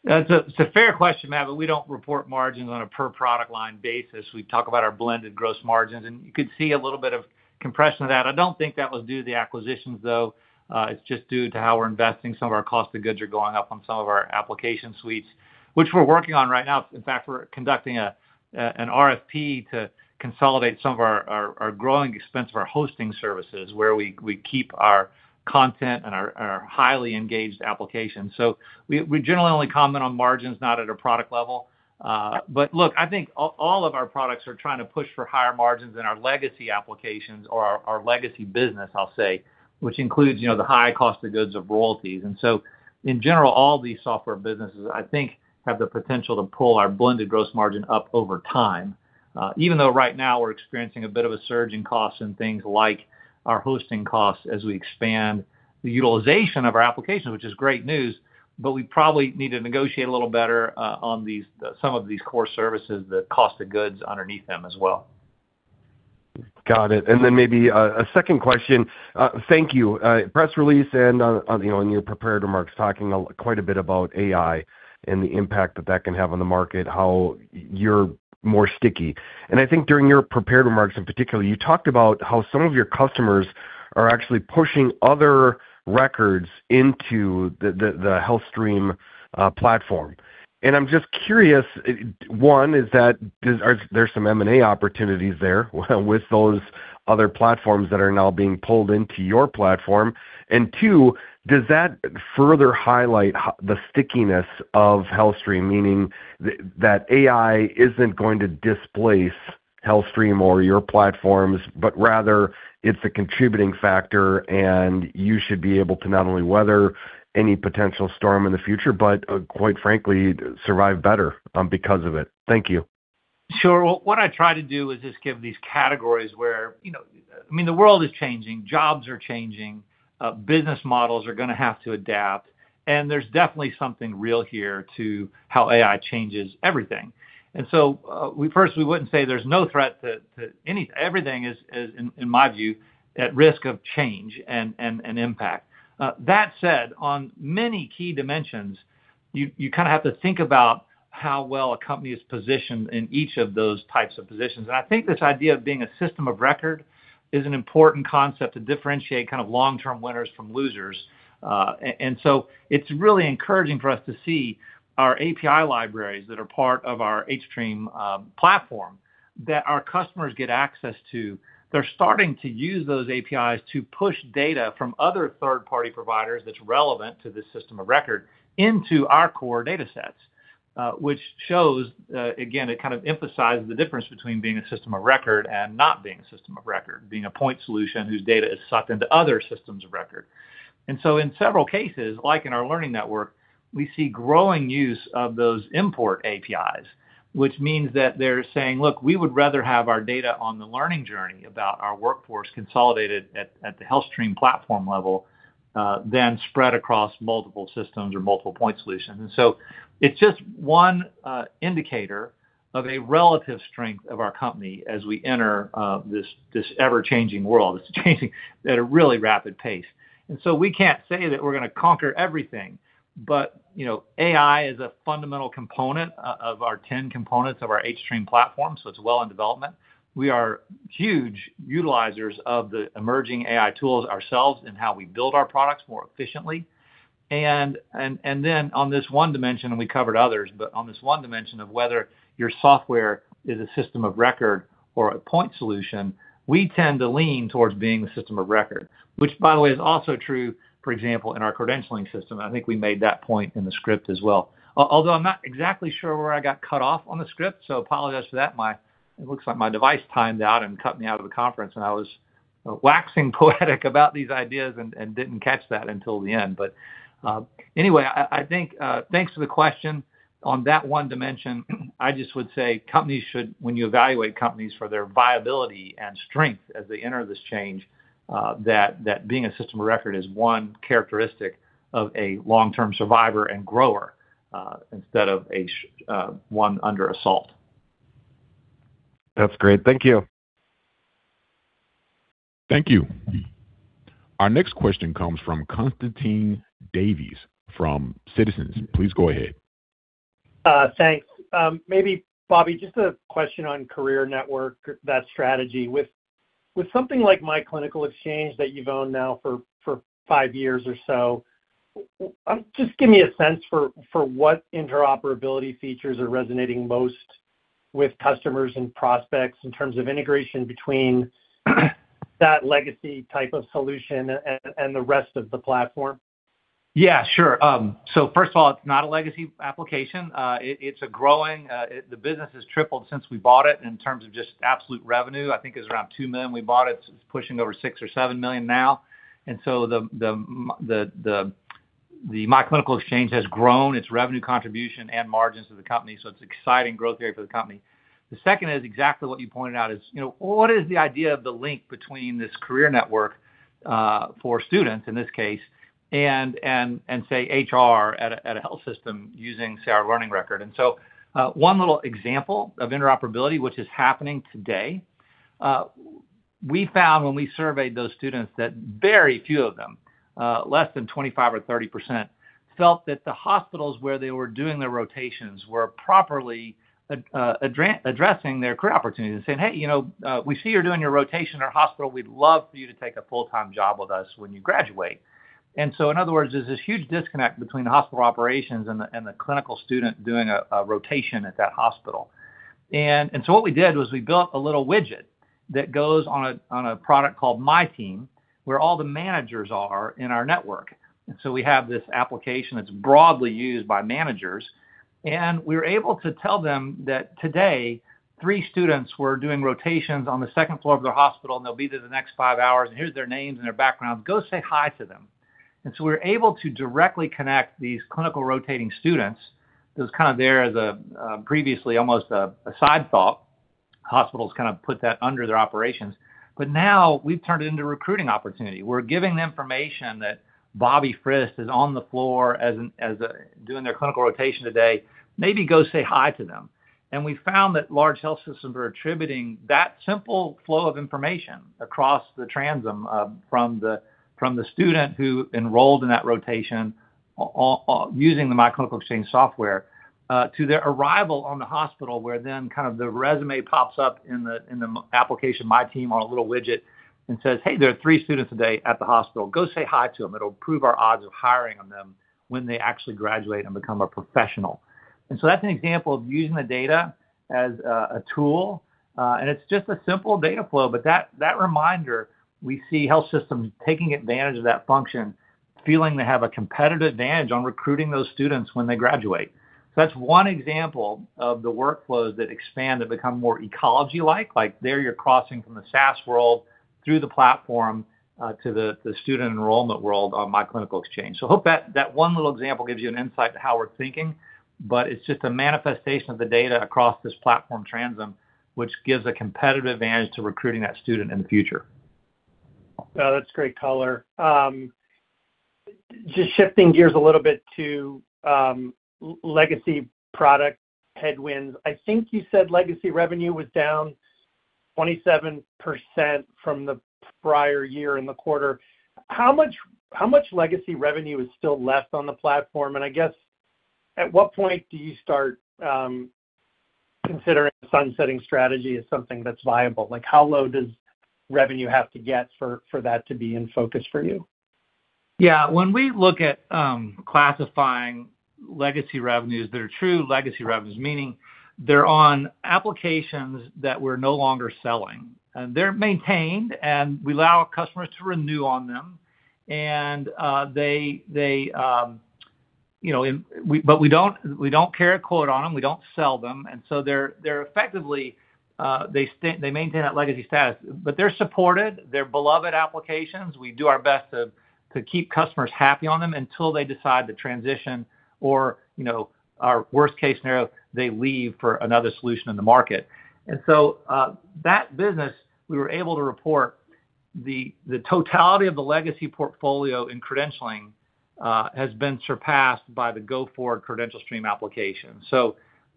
It's a fair question, Matt. We don't report margins on a per product line basis. We talk about our blended gross margins. You could see a little bit of compression of that. I don't think that was due to the acquisitions, though. It's just due to how we're investing. Some of our cost of goods are going up on some of our application suites, which we're working on right now. In fact, we're conducting an RFP to consolidate some of our growing expense of our hosting services, where we keep our content and our highly engaged applications. We generally only comment on margins, not at a product level, but look, I think all of our products are trying to push for higher margins in our legacy applications or our legacy business, I'll say, which includes, you know, the high cost of goods of royalties. In general, all these software businesses, I think, have the potential to pull our blended gross margin up over time, even though right now we're experiencing a bit of a surge in costs and things like our hosting costs as we expand the utilization of our applications, which is great news, but we probably need to negotiate a little better on these, some of these core services, the cost of goods underneath them as well. Got it. Then maybe a second question. Thank you. Press release and on, you know, on your prepared remarks, talking a quite a bit about AI and the impact that that can have on the market, how you're more sticky. I think during your prepared remarks, in particular, you talked about how some of your customers are actually pushing other records into the healthStream Platform. I'm just curious, one, is that, are there some M&A opportunities there with those other platforms that are now being pulled into your platform? Two, does that further highlight the stickiness of HealthStream, meaning that AI isn't going to displace HealthStream or your platforms, but rather it's a contributing factor, and you should be able to not only weather any potential storm in the future but, quite frankly, survive better because of it. Thank you. Sure. Well, what I try to do is just give these categories where, you know, I mean, the world is changing, jobs are changing, business models are gonna have to adapt, and there's definitely something real here to how AI changes everything. We first, we wouldn't say there's no threat to everything is, in my view, at risk of change and impact. That said, on many key dimensions, you kinda have to think about how well a company is positioned in each of those types of positions. I think this idea of being a system of record is an important concept to differentiate kind of long-term winners from losers. It's really encouraging for us to see our API libraries that are part of our hStream Platform, that our customers get access to. They're starting to use those APIs to push data from other third-party providers that's relevant to this system of record into our core data sets. Which shows, again, it kind of emphasizes the difference between being a system of record and not being a system of record, being a point solution whose data is sucked into other systems of record. In several cases, like in our learning network, we see growing use of those import APIs, which means that they're saying, "Look, we would rather have our data on the learning journey about our workforce consolidated at the healthStream Platform level than spread across multiple systems or multiple point solutions." It's just one indicator of a relative strength of our company as we enter this ever-changing world. It's changing at a really rapid pace. We can't say that we're gonna conquer everything, but, you know, AI is a fundamental component of our 10 components of our hStream Platform, so it's well in development. We are huge utilizers of the emerging AI tools ourselves and how we build our products more efficiently. On this one dimension, and we covered others, but on this one dimension of whether your software is a system of record or a point solution, we tend to lean towards being the system of record, which, by the way, is also true, for example, in our credentialing system. I think we made that point in the script as well. I'm not exactly sure where I got cut off on the script, so apologies for that. It looks like my device timed out and cut me out of the conference, and I was waxing poetic about these ideas and didn't catch that until the end. Anyway, I think, thanks for the question. On that one dimension, I just would say, companies should when you evaluate companies for their viability and strength as they enter this change, that being a system of record is one characteristic of a long-term survivor and grower, instead of a one under assault. That's great. Thank you. Thank you. Our next question comes from Constantine Davides from Citizens. Please go ahead. Thanks. Maybe, Bobby, just a question on career network, that strategy. With something like myClinicalExchange that you've owned now for five years or so, just give me a sense for what interoperability features are resonating most with customers and prospects in terms of integration between that legacy type of solution and the rest of the platform? Yeah, sure. First of all, it's not a legacy application. It's a growing. The business has tripled since we bought it in terms of just absolute revenue. I think it was around $2 million when we bought it. It's pushing over $6 million or $7 million now. The myClinicalExchange has grown its revenue contribution and margins to the company. It's an exciting growth area for the company. The second is exactly what you pointed out, is, you know, what is the idea of the link between this career network, for students, in this case, and, say, HR at a health system using, say, our learning record? one little example of interoperability, which is happening today, we found when we surveyed those students, that very few of them, less than 25% or 30%, felt that the hospitals where they were doing their rotations were properly addressing their career opportunities, saying, "Hey, you know, we see you're doing your rotation at our hospital. We'd love for you to take a full-time job with us when you graduate." In other words, there's this huge disconnect between the hospital operations and the, and the clinical student doing a rotation at that hospital. what we did was we built a little widget that goes on a, on a product called MyTeam, where all the managers are in our network. We have this application that's broadly used by managers, and we're able to tell them that today, three students were doing rotations on the second floor of their hospital, and they'll be there the next five hours, and here's their names and their backgrounds. Go say hi to them. We're able to directly connect these clinical rotating students, who's kind of there as a previously, almost a side thought. Hospitals kind of put that under their operations, now we've turned it into a recruiting opportunity. We're giving the information that Bobby Frist is on the floor doing their clinical rotation today. Maybe go say hi to them. We found that large health systems are attributing that simple flow of information across the transom, from the student who enrolled in that rotation, using the myClinicalExchange software, to their arrival on the hospital, where then kind of the resume pops up in the application, MyTeam, on a little widget and says, "Hey, there are three students today at the hospital. Go say hi to them. It'll improve our odds of hiring on them when they actually graduate and become a professional." That's an example of using the data as a tool, and it's just a simple data flow, but that reminder, we see health systems taking advantage of that function, feeling they have a competitive advantage on recruiting those students when they graduate. That's one example of the workflows that expand and become more ecology-like. There, you're crossing from the SaaS world through the platform, to the student enrollment world on myClinicalExchange. I hope that one little example gives you an insight to how we're thinking, but it's just a manifestation of the data across this platform transom, which gives a competitive advantage to recruiting that student in the future. Well, that's great color. Just shifting gears a little bit to legacy product headwinds. I think you said legacy revenue was down 27% from the prior year in the quarter. How much legacy revenue is still left on the platform? I guess, at what point do you start considering a sunsetting strategy as something that's viable? Like, how low does revenue have to get for that to be in focus for you? Yeah, when we look at classifying legacy revenues that are true legacy revenues, meaning they're on applications that we're no longer selling, and they're maintained, and we allow our customers to renew on them. They, you know, but we don't carry a quote on them, we don't sell them, and so they're effectively, they maintain that legacy status. They're supported, they're beloved applications. We do our best to keep customers happy on them until they decide to transition or, you know, our worst case scenario, they leave for another solution in the market. That business, we were able to report the totality of the legacy portfolio in credentialing has been surpassed by the go-forward CredentialStream application.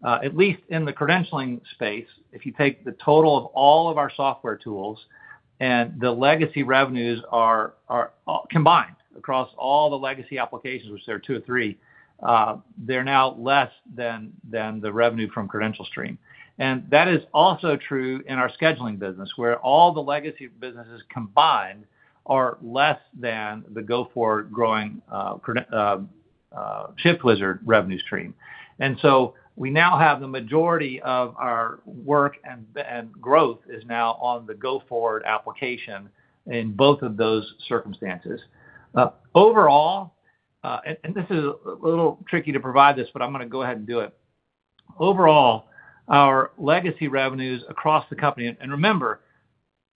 At least in the credentialing space, if you take the total of all of our software tools and the legacy revenues are combined across all the legacy applications, which there are two or three, they're now less than the revenue from CredentialStream. That is also true in our scheduling business, where all the legacy businesses combined are less than the go-forward growing ShiftWizard revenue stream. We now have the majority of our work and the growth is now on the go-forward application in both of those circumstances. Overall, and this is a little tricky to provide this, but I'm gonna go ahead and do it. Overall, our legacy revenues across the company. Remember,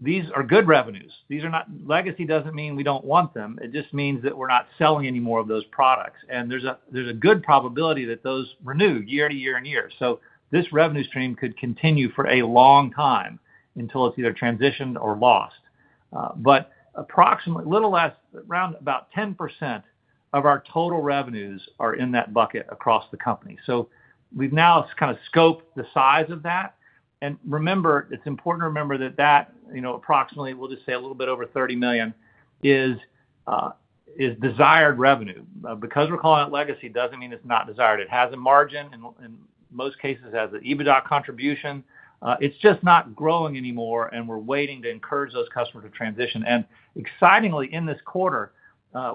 these are good revenues. These are not legacy doesn't mean we don't want them, it just means that we're not selling any more of those products, and there's a good probability that those renew year-to-year and year. This revenue stream could continue for a long time, until it's either transitioned or lost. But approximately, little less, around about 10% of our total revenues are in that bucket across the company. We've now kind of scoped the size of that. Remember, it's important to remember that that, you know, approximately, we'll just say a little bit over $30 million, is desired revenue. Because we're calling it legacy, doesn't mean it's not desired. It has a margin, and in most cases, has an EBITDA contribution. It's just not growing anymore, and we're waiting to encourage those customers to transition. Excitingly, in this quarter,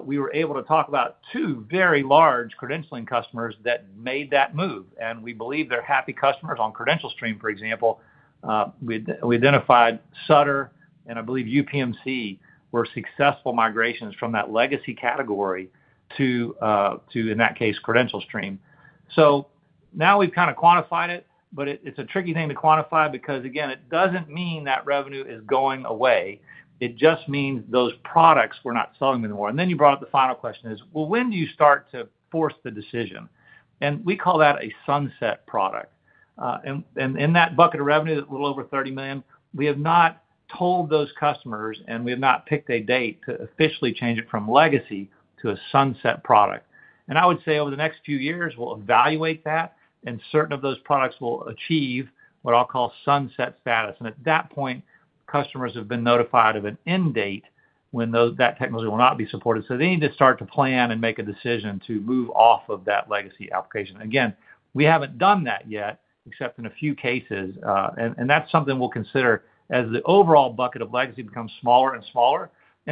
we were able to talk about two very large credentialing customers that made that move, and we believe they're happy customers on CredentialStream, for example. We identified Sutter and I believe UPMC, were successful migrations from that legacy category to, in that case, CredentialStream. Now we've kind of quantified it, but it's a tricky thing to quantify because, again, it doesn't mean that revenue is going away, it just means those products, we're not selling them anymore. Then you brought up the final question is: Well, when do you start to force the decision? We call that a sunset product. In that bucket of revenue, a little over $30 million, we have not told those customers, we have not picked a date to officially change it from legacy to a sunset product. I would say, over the next few years, we'll evaluate that, and certain of those products will achieve what I'll call sunset status. At that point, customers have been notified of an end date when that technology will not be supported. They need to start to plan and make a decision to move off of that legacy application. Again, we haven't done that yet, except in a few cases, that's something we'll consider as the overall bucket of legacy becomes smaller and smaller.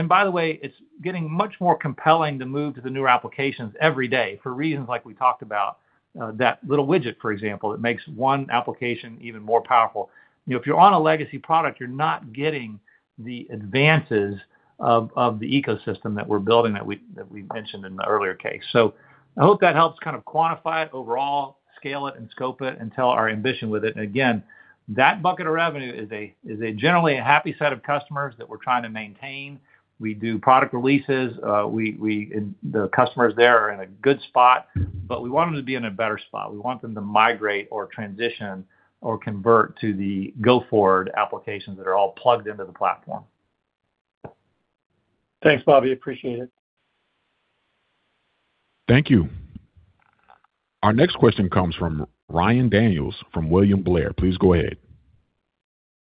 By the way, it's getting much more compelling to move to the newer applications every day, for reasons like we talked about, that little widget, for example, that makes one application even more powerful. You know, if you're on a legacy product, you're not getting the advances of the ecosystem that we're building, that we've mentioned in the earlier case. I hope that helps kind of quantify it overall, scale it and scope it, and tell our ambition with it. Again, that bucket of revenue is a generally a happy set of customers that we're trying to maintain. We do product releases, we the customers there are in a good spot, but we want them to be in a better spot. We want them to migrate or transition, or convert to the go-forward applications that are all plugged into the platform. Thanks, Bobby, appreciate it. Thank you. Our next question comes from Ryan Daniels, from William Blair. Please go ahead.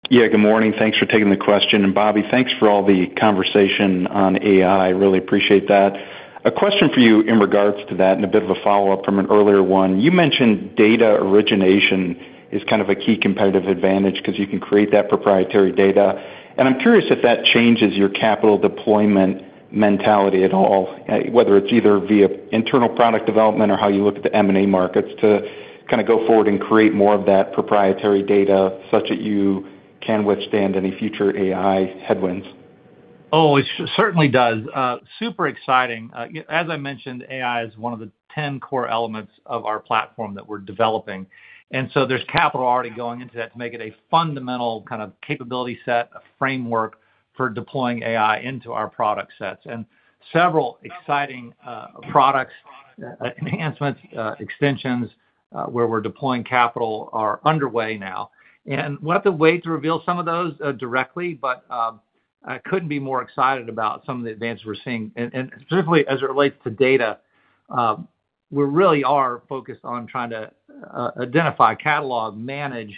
Yeah, good morning. Thanks for taking the question. Bobby, thanks for all the conversation on AI, really appreciate that. A question for you in regards to that, and a bit of a follow-up from an earlier one. You mentioned data origination is kind of a key competitive advantage because you can create that proprietary data. I'm curious if that changes your capital deployment mentality at all, whether it's either via internal product development or how you look at the M&A markets to kind of go-forward and create more of that proprietary data, such that you can withstand any future AI headwinds. Oh, it certainly does. Super exciting. As I mentioned, AI is one of the 10 core elements of our platform that we're developing. There's capital already going into that to make it a fundamental kind of capability set, a framework for deploying AI into our product sets. Several exciting products, enhancements, extensions, where we're deploying capital are underway now. We'll have to wait to reveal some of those directly, but I couldn't be more excited about some of the advances we're seeing. Specifically as it relates to data, we really are focused on trying to identify, catalog, manage.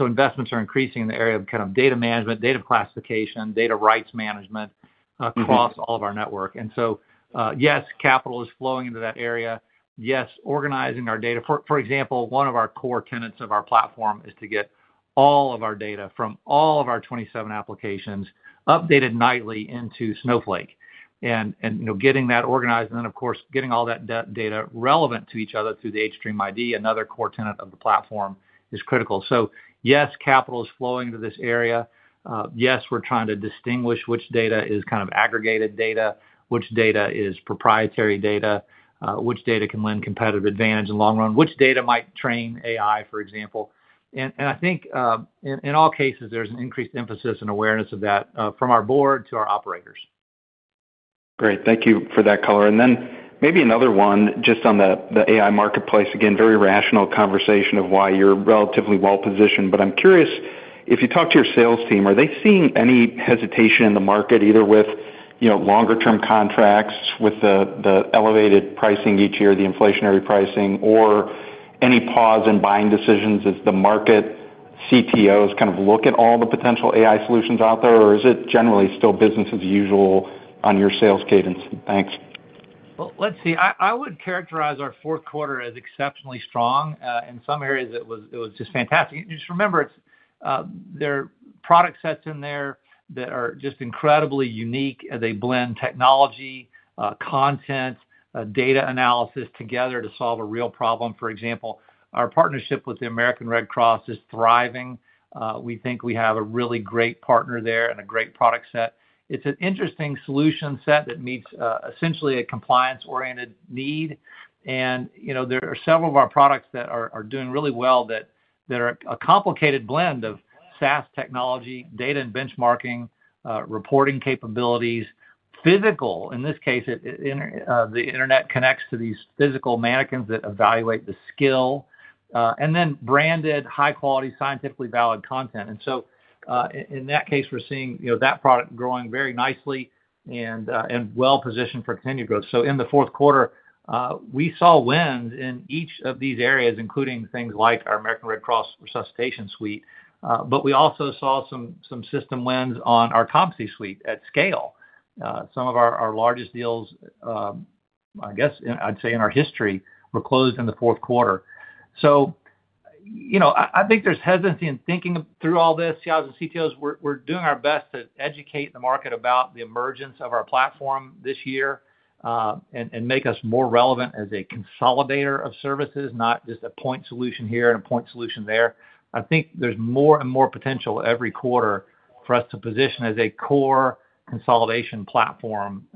Investments are increasing in the area of kind of data management, data classification, data rights management across all of our network. Yes, capital is flowing into that area. Yes, organizing our data. For example, one of our core tenets of our platform is to get all of our data from all of our 27 applications, updated nightly into Snowflake. You know, getting that organized and then, of course, getting all that data relevant to each other through the hStream ID, another core tenet of the platform, is critical. Yes, capital is flowing to this area. Yes, we're trying to distinguish which data is kind of aggregated data, which data is proprietary data, which data can lend competitive advantage in the long run, which data might train AI, for example. I think, in all cases, there's an increased emphasis and awareness of that, from our board to our operators. Great. Thank you for that color. Maybe another one, just on the AI marketplace. Again, very rational conversation of why you're relatively well-positioned. I'm curious, if you talk to your sales team, are they seeing any hesitation in the market, either with, you know, longer-term contracts, with the elevated pricing each year, the inflationary pricing, or any pause in buying decisions as the market CTOs kind of look at all the potential AI solutions out there? Is it generally still business as usual on your sales cadence? Thanks. Well, let's see. I would characterize our fourth quarter as exceptionally strong. In some areas, it was just fantastic. Just remember, there are product sets in there that are just incredibly unique, as they blend technology, content, data analysis together to solve a real problem. For example, our partnership with the American Red Cross is thriving. We think we have a really great partner there and a great product set. It's an interesting solution set that meets, essentially, a compliance-oriented need. You know, there are several of our products that are doing really well, that are a complicated blend of SaaS technology, data and benchmarking, reporting capabilities, physical. In this case, the internet connects to these physical mannequins that evaluate the skill, and then branded, high-quality, scientifically valid content. In that case, we're seeing, you know, that product growing very nicely and well-positioned for continued growth. In the fourth quarter, we saw wins in each of these areas, including things like our American Red Cross Resuscitation Suite. But we also saw some system wins on our Competency Suite at scale. Some of our largest deals, I guess, I'd say, in our history, were closed in the fourth quarter. You know, I think there's hesitancy in thinking through all this, CIOs and CTOs. We're doing our best to educate the market about the emergence of our platform this year, and make us more relevant as a consolidator of services, not just a point solution here and a point solution there. I think there's more and more potential every quarter for us to position as a core consolidation platform.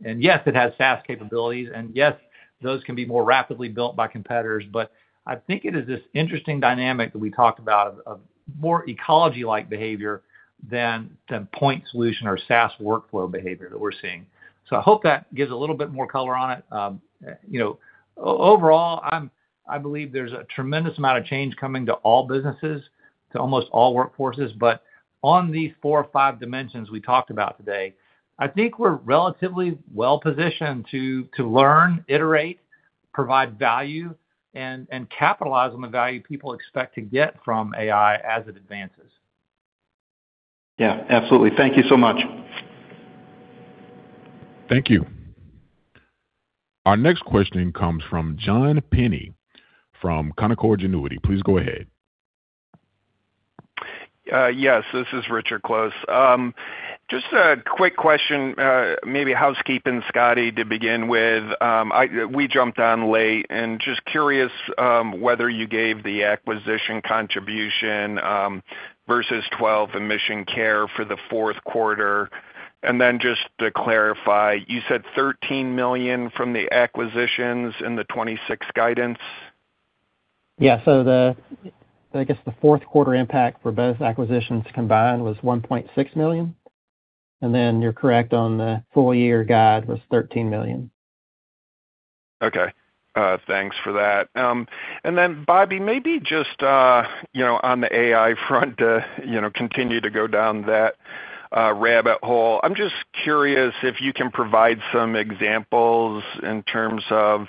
Yes, it has SaaS capabilities, and yes, those can be more rapidly built by competitors, but I think it is this interesting dynamic that we talked about, of more ecology-like behavior than the point solution or SaaS workflow behavior that we're seeing. I hope that gives a little bit more color on it. You know, overall, I believe there's a tremendous amount of change coming to all businesses, to almost all workforces. On these four or five dimensions we talked about today, I think we're relatively well-positioned to learn, iterate, provide value, and capitalize on the value people expect to get from AI as it advances. Yeah, absolutely. Thank you so much. Thank you. Our next question comes from John Pinney, from Canaccord Genuity. Please go ahead. Yes, this is Richard Close. Just a quick question, maybe housekeeping, Scotty, to begin with. We jumped on late and just curious whether you gave the acquisition contribution versus 12 in MissionCare Collective for the fourth quarter. Just to clarify, you said $13 million from the acquisitions and the 2026 guidance? Yeah. The fourth quarter impact for both acquisitions combined was $1.6 million, and then you're correct on the full year guide was $13 million. Okay, thanks for that. Bobby, maybe just, you know, on the AI front, you know, continue to go down that, rabbit hole. I'm just curious if you can provide some examples in terms of,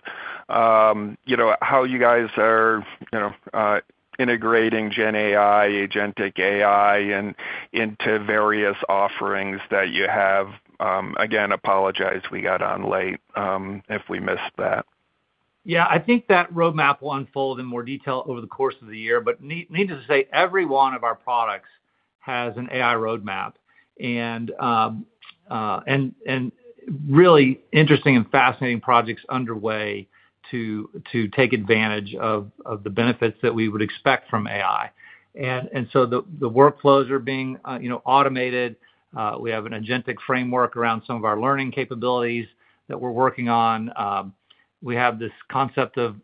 you know, how you guys are, you know, integrating Gen AI, agentic AI, and into various offerings that you have. Again, apologize, we got on late, if we missed that. Yeah, I think that roadmap will unfold in more detail over the course of the year. Need to say, every one of our products has an AI roadmap, and really interesting and fascinating projects underway to take advantage of the benefits that we would expect from AI. The workflows are being, you know, automated. We have an agentic framework around some of our learning capabilities that we're working on. We have this concept of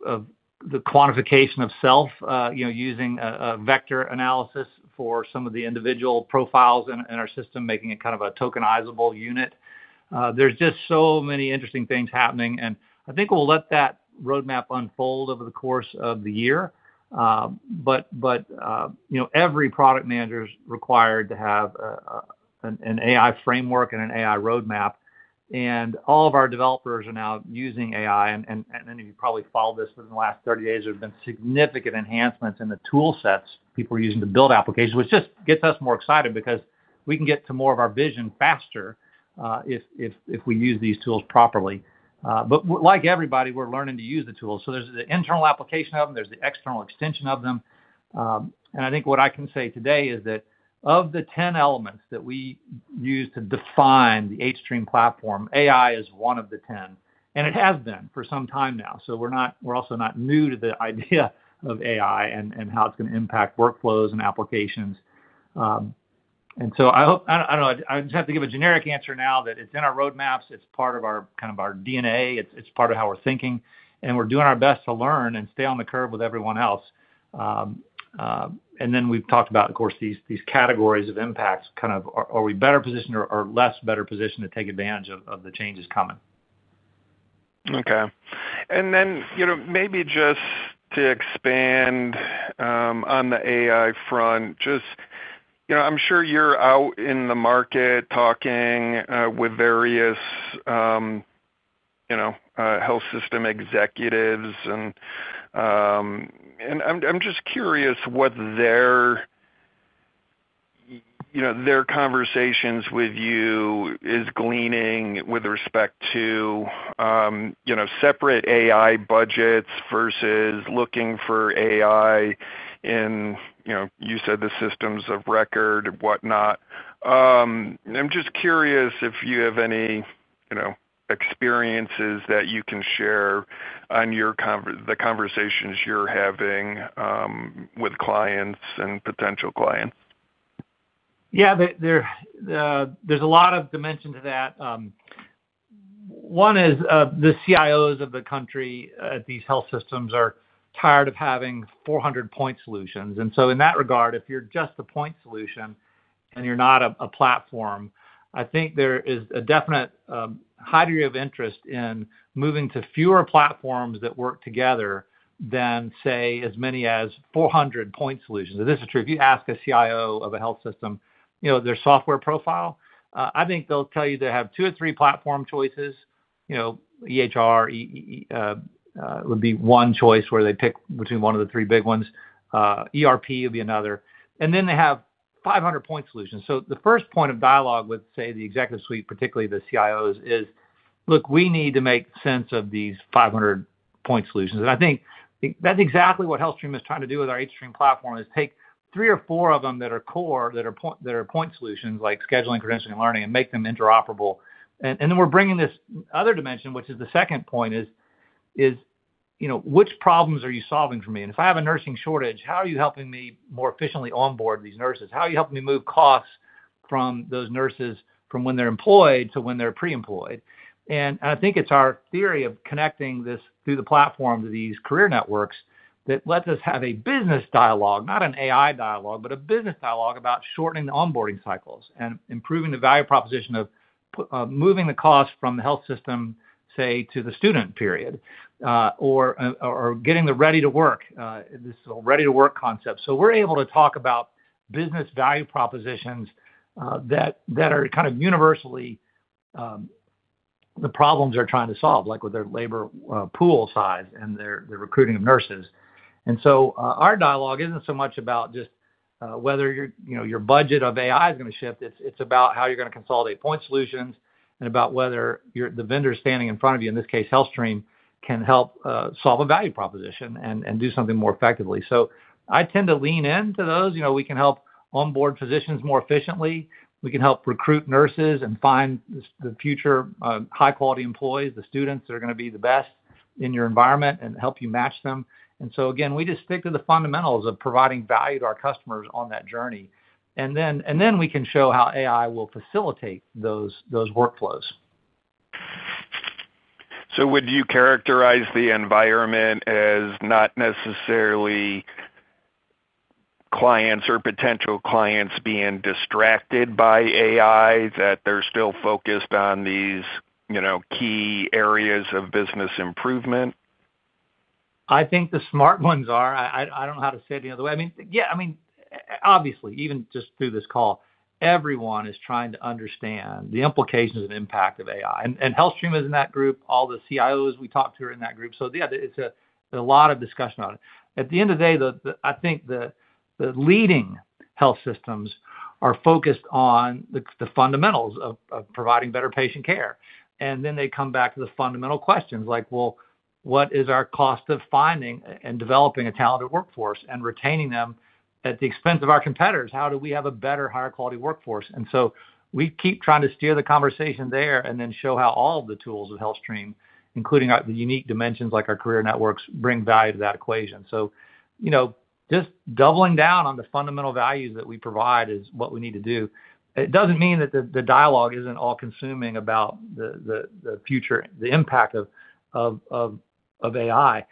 the quantification of self, you know, using a vector analysis for some of the individual profiles in our system, making it kind of a tokenizable unit. There's just so many interesting things happening, and I think we'll let that roadmap unfold over the course of the year. You know, every product manager is required to have an AI framework and an AI roadmap, and all of our developers are now using AI. If you probably followed this, within the last 30 days, there's been significant enhancements in the tool sets people are using to build applications, which just gets us more excited because we can get to more of our vision faster if we use these tools properly. Like everybody, we're learning to use the tools. There's the internal application of them, there's the external extension of them. I think what I can say today is that of the 10 elements that we use to define the hStream Platform, AI is one of the ten, and it has been for some time now. We're also not new to the idea of AI and how it's going to impact workflows and applications. I don't know, I just have to give a generic answer now that it's in our roadmaps, it's part of our, kind of our DNA, it's part of how we're thinking, and we're doing our best to learn and stay on the curve with everyone else. Then we've talked about, of course, these categories of impacts, kind of, are we better positioned or less better positioned to take advantage of the changes coming? Okay. you know, maybe just to expand on the AI front, just, you know, I'm sure you're out in the market talking with various, you know, health system executives. I'm just curious what their, you know, their conversations with you is gleaning with respect to, you know, separate AI budgets versus looking for AI in, you know, you said the systems of record and whatnot. I'm just curious if you have any, you know, experiences that you can share on the conversations you're having with clients and potential clients. Yeah, there, there's a lot of dimension to that. One is, the CIOs of the country, these health systems are tired of having 400 point solutions. In that regard, if you's just a point solution and you're not a platform, I think there is a definite higher degree of interest in moving to fewer platforms that work together than, say, as many as 400 point solutions. This is true. If you ask a CIO of a health system, you know, their software profile, I think they'll tell you they have two or three platform choices. You know, EHR, would be one choice where they pick between one of the three big ones, ERP would be another, and then they have 500 point solutions. The first point of dialogue with, say, the executive suite, particularly the CIOs, is, look, we need to make sense of these 500 point solutions. I think that's exactly what HealthStream is trying to do with our hStream Platform, is take three or four of them that are core, that are point solutions like scheduling, credentialing, and learning, and make them interoperable. Then we're bringing this other dimension, which is the second point, is, you know, which problems are you solving for me? If I have a nursing shortage, how are you helping me more efficiently onboard these nurses? How are you helping me move costs from those nurses from when they're employed to when they're pre-employed? I think it's our theory of connecting this through the platform to these career networks that lets us have a business dialogue, not an AI dialogue, but a business dialogue about shortening the onboarding cycles and improving the value proposition of moving the cost from the health system, say, to the student period, or getting the ready to work, this ready to work concept. We're able to talk about business value propositions that are kind of universally the problems they're trying to solve, like with their labor pool size and their, the recruiting of nurses. Our dialogue isn't so much about just whether your, you know, your budget of AI is going to shift. It's about how you're going to consolidate point solutions and about whether the vendor standing in front of you, in this case, HealthStream, can help solve a value proposition and do something more effectively. I tend to lean into those. You know, we can help onboard physicians more efficiently. We can help recruit nurses and find the future high-quality employees, the students that are going to be the best in your environment and help you match them. Again, we just stick to the fundamentals of providing value to our customers on that journey. Then we can show how AI will facilitate those workflows. Would you characterize the environment as not necessarily clients or potential clients being distracted by AI, that they're still focused on these, you know, key areas of business improvement? I think the smart ones are. I don't know how to say it any other way. I mean, yeah, I mean, obviously, even just through this call, everyone is trying to understand the implications and impact of AI. HealthStream is in that group. All the CIOs we talk to are in that group. Yeah, there is a lot of discussion on it. At the end of the day, the I think the leading health systems are focused on the fundamentals of providing better patient care. They come back to the fundamental questions like: Well, what is our cost of finding and developing a talented workforce and retaining them at the expense of our competitors? How do we have a better, higher quality workforce? We keep trying to steer the conversation there and then show how all of the tools of HealthStream, including our, the unique dimensions like our career networks, bring value to that equation. You know, just doubling down on the fundamental values that we provide is what we need to do. It doesn't mean that the dialogue isn't all-consuming about the, the future, the impact of AI.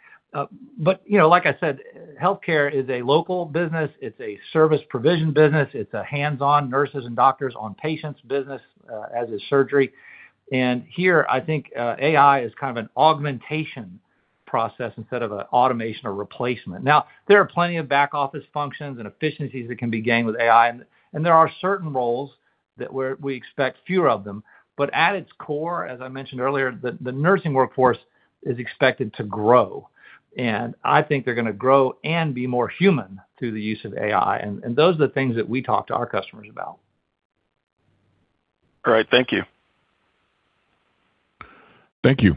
But, you know, like I said, healthcare is a local business, it's a service provision business, it's a hands-on nurses and doctors on patients business, as is surgery. Here, I think, AI is kind of an augmentation process instead of an automation or replacement. There are plenty of back office functions and efficiencies that can be gained with AI, and there are certain roles that we expect fewer of them. At its core, as I mentioned earlier, the nursing workforce is expected to grow, and I think they're going to grow and be more human through the use of AI, and those are the things that we talk to our customers about. All right. Thank you. Thank you.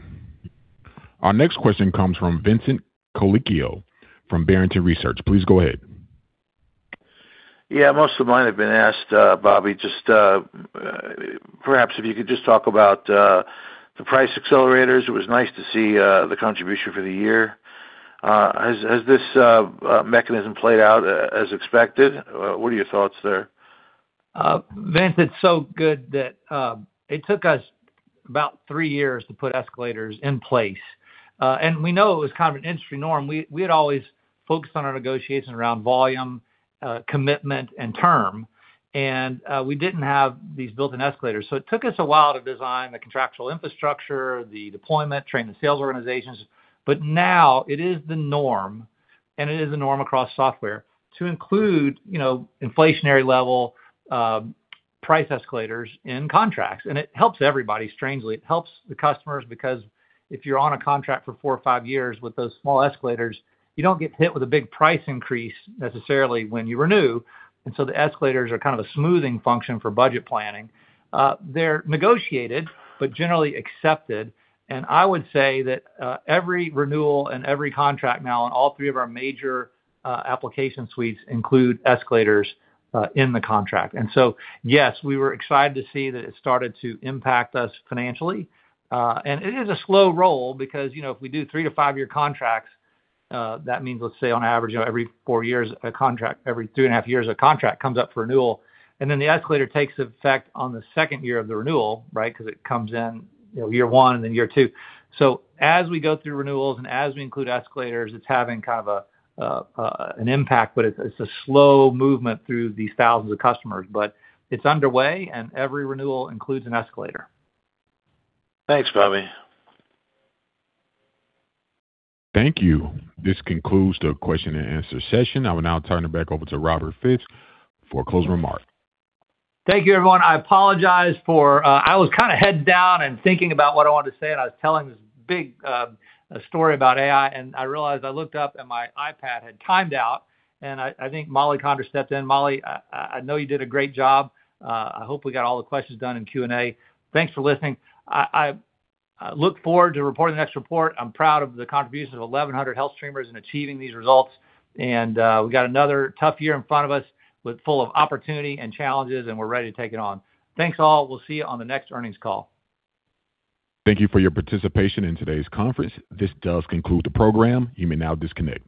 Our next question comes from Vincent Colicchio from Barrington Research. Please go ahead. Most of mine have been asked, Bobby. Just, perhaps if you could just talk about the price escalators. It was nice to see the contribution for the year. Has this mechanism played out as expected? What are your thoughts there? Vince, it's so good that it took us about three years to put escalators in place. We know it was kind of an industry norm. We had always focused on our negotiation around volume, commitment, and term, we didn't have these built-in escalators. It took us a while to design the contractual infrastructure, the deployment, train the sales organizations. Now it is the norm, and it is the norm across software to include, you know, inflationary level price escalators in contracts. It helps everybody, strangely. It helps the customers, because if you're on a contract for four or five years with those small escalators, you don't get hit with a big price increase necessarily when you renew, the escalators are kind of a smoothing function for budget planning. They're negotiated, generally accepted. I would say that every renewal and every contract now, in all three of our major application suites, include escalators in the contract. Yes, we were excited to see that it started to impact us financially. It is a slow roll because, you know, if we do three to five-year contracts, that means, let's say on average, every four years, every three and a half years, a contract comes up for renewal, and then the escalator takes effect on the second year of the renewal, right? Because it comes in, you know, year one and then year two. As we go through renewals and as we include escalators, it's having kind of an impact, but it's a slow movement through these thousands of customers. It's underway, and every renewal includes an escalator. Thanks, Bobby. Thank you. This concludes the question and answer session. I will now turn it back over to Robert A. Frist, Jr. for closing remarks. Thank you, everyone. I apologize for. I was kind of head down and thinking about what I wanted to say, and I was telling this big story about AI, and I realized I looked up and my iPad had timed out, and I think Mollie Condra stepped in. Mollie, I know you did a great job. I hope we got all the questions done in Q&A. Thanks for listening. I look forward to reporting the next report. I'm proud of the contributions of 1,100 HealthStreamers in achieving these results, and we've got another tough year in front of us with full of opportunity and challenges, and we're ready to take it on. Thanks, all. We'll see you on the next earnings call. Thank you for your participation in today's conference. This does conclude the program. You may now disconnect.